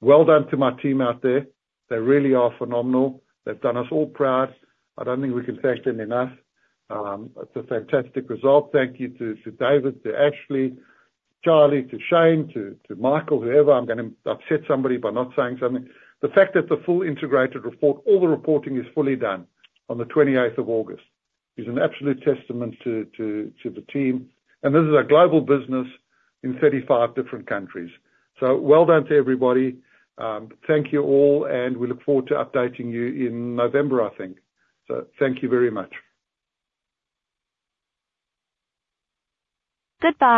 Well done to my team out there. They really are phenomenal. They've done us all proud. I don't think we can thank them enough. It's a fantastic result. Thank you to David, to Ashley, Charlie, to Shane, to Michael, whoever. I'm gonna upset somebody by not saying something. The fact that the full integrated report, all the reporting is fully done on the twenty-eighth of August, is an absolute testament to the team, and this is a global business in 35 different countries. So well done to everybody. Thank you all, and we look forward to updating you in November, I think. So thank you very much. Goodbye.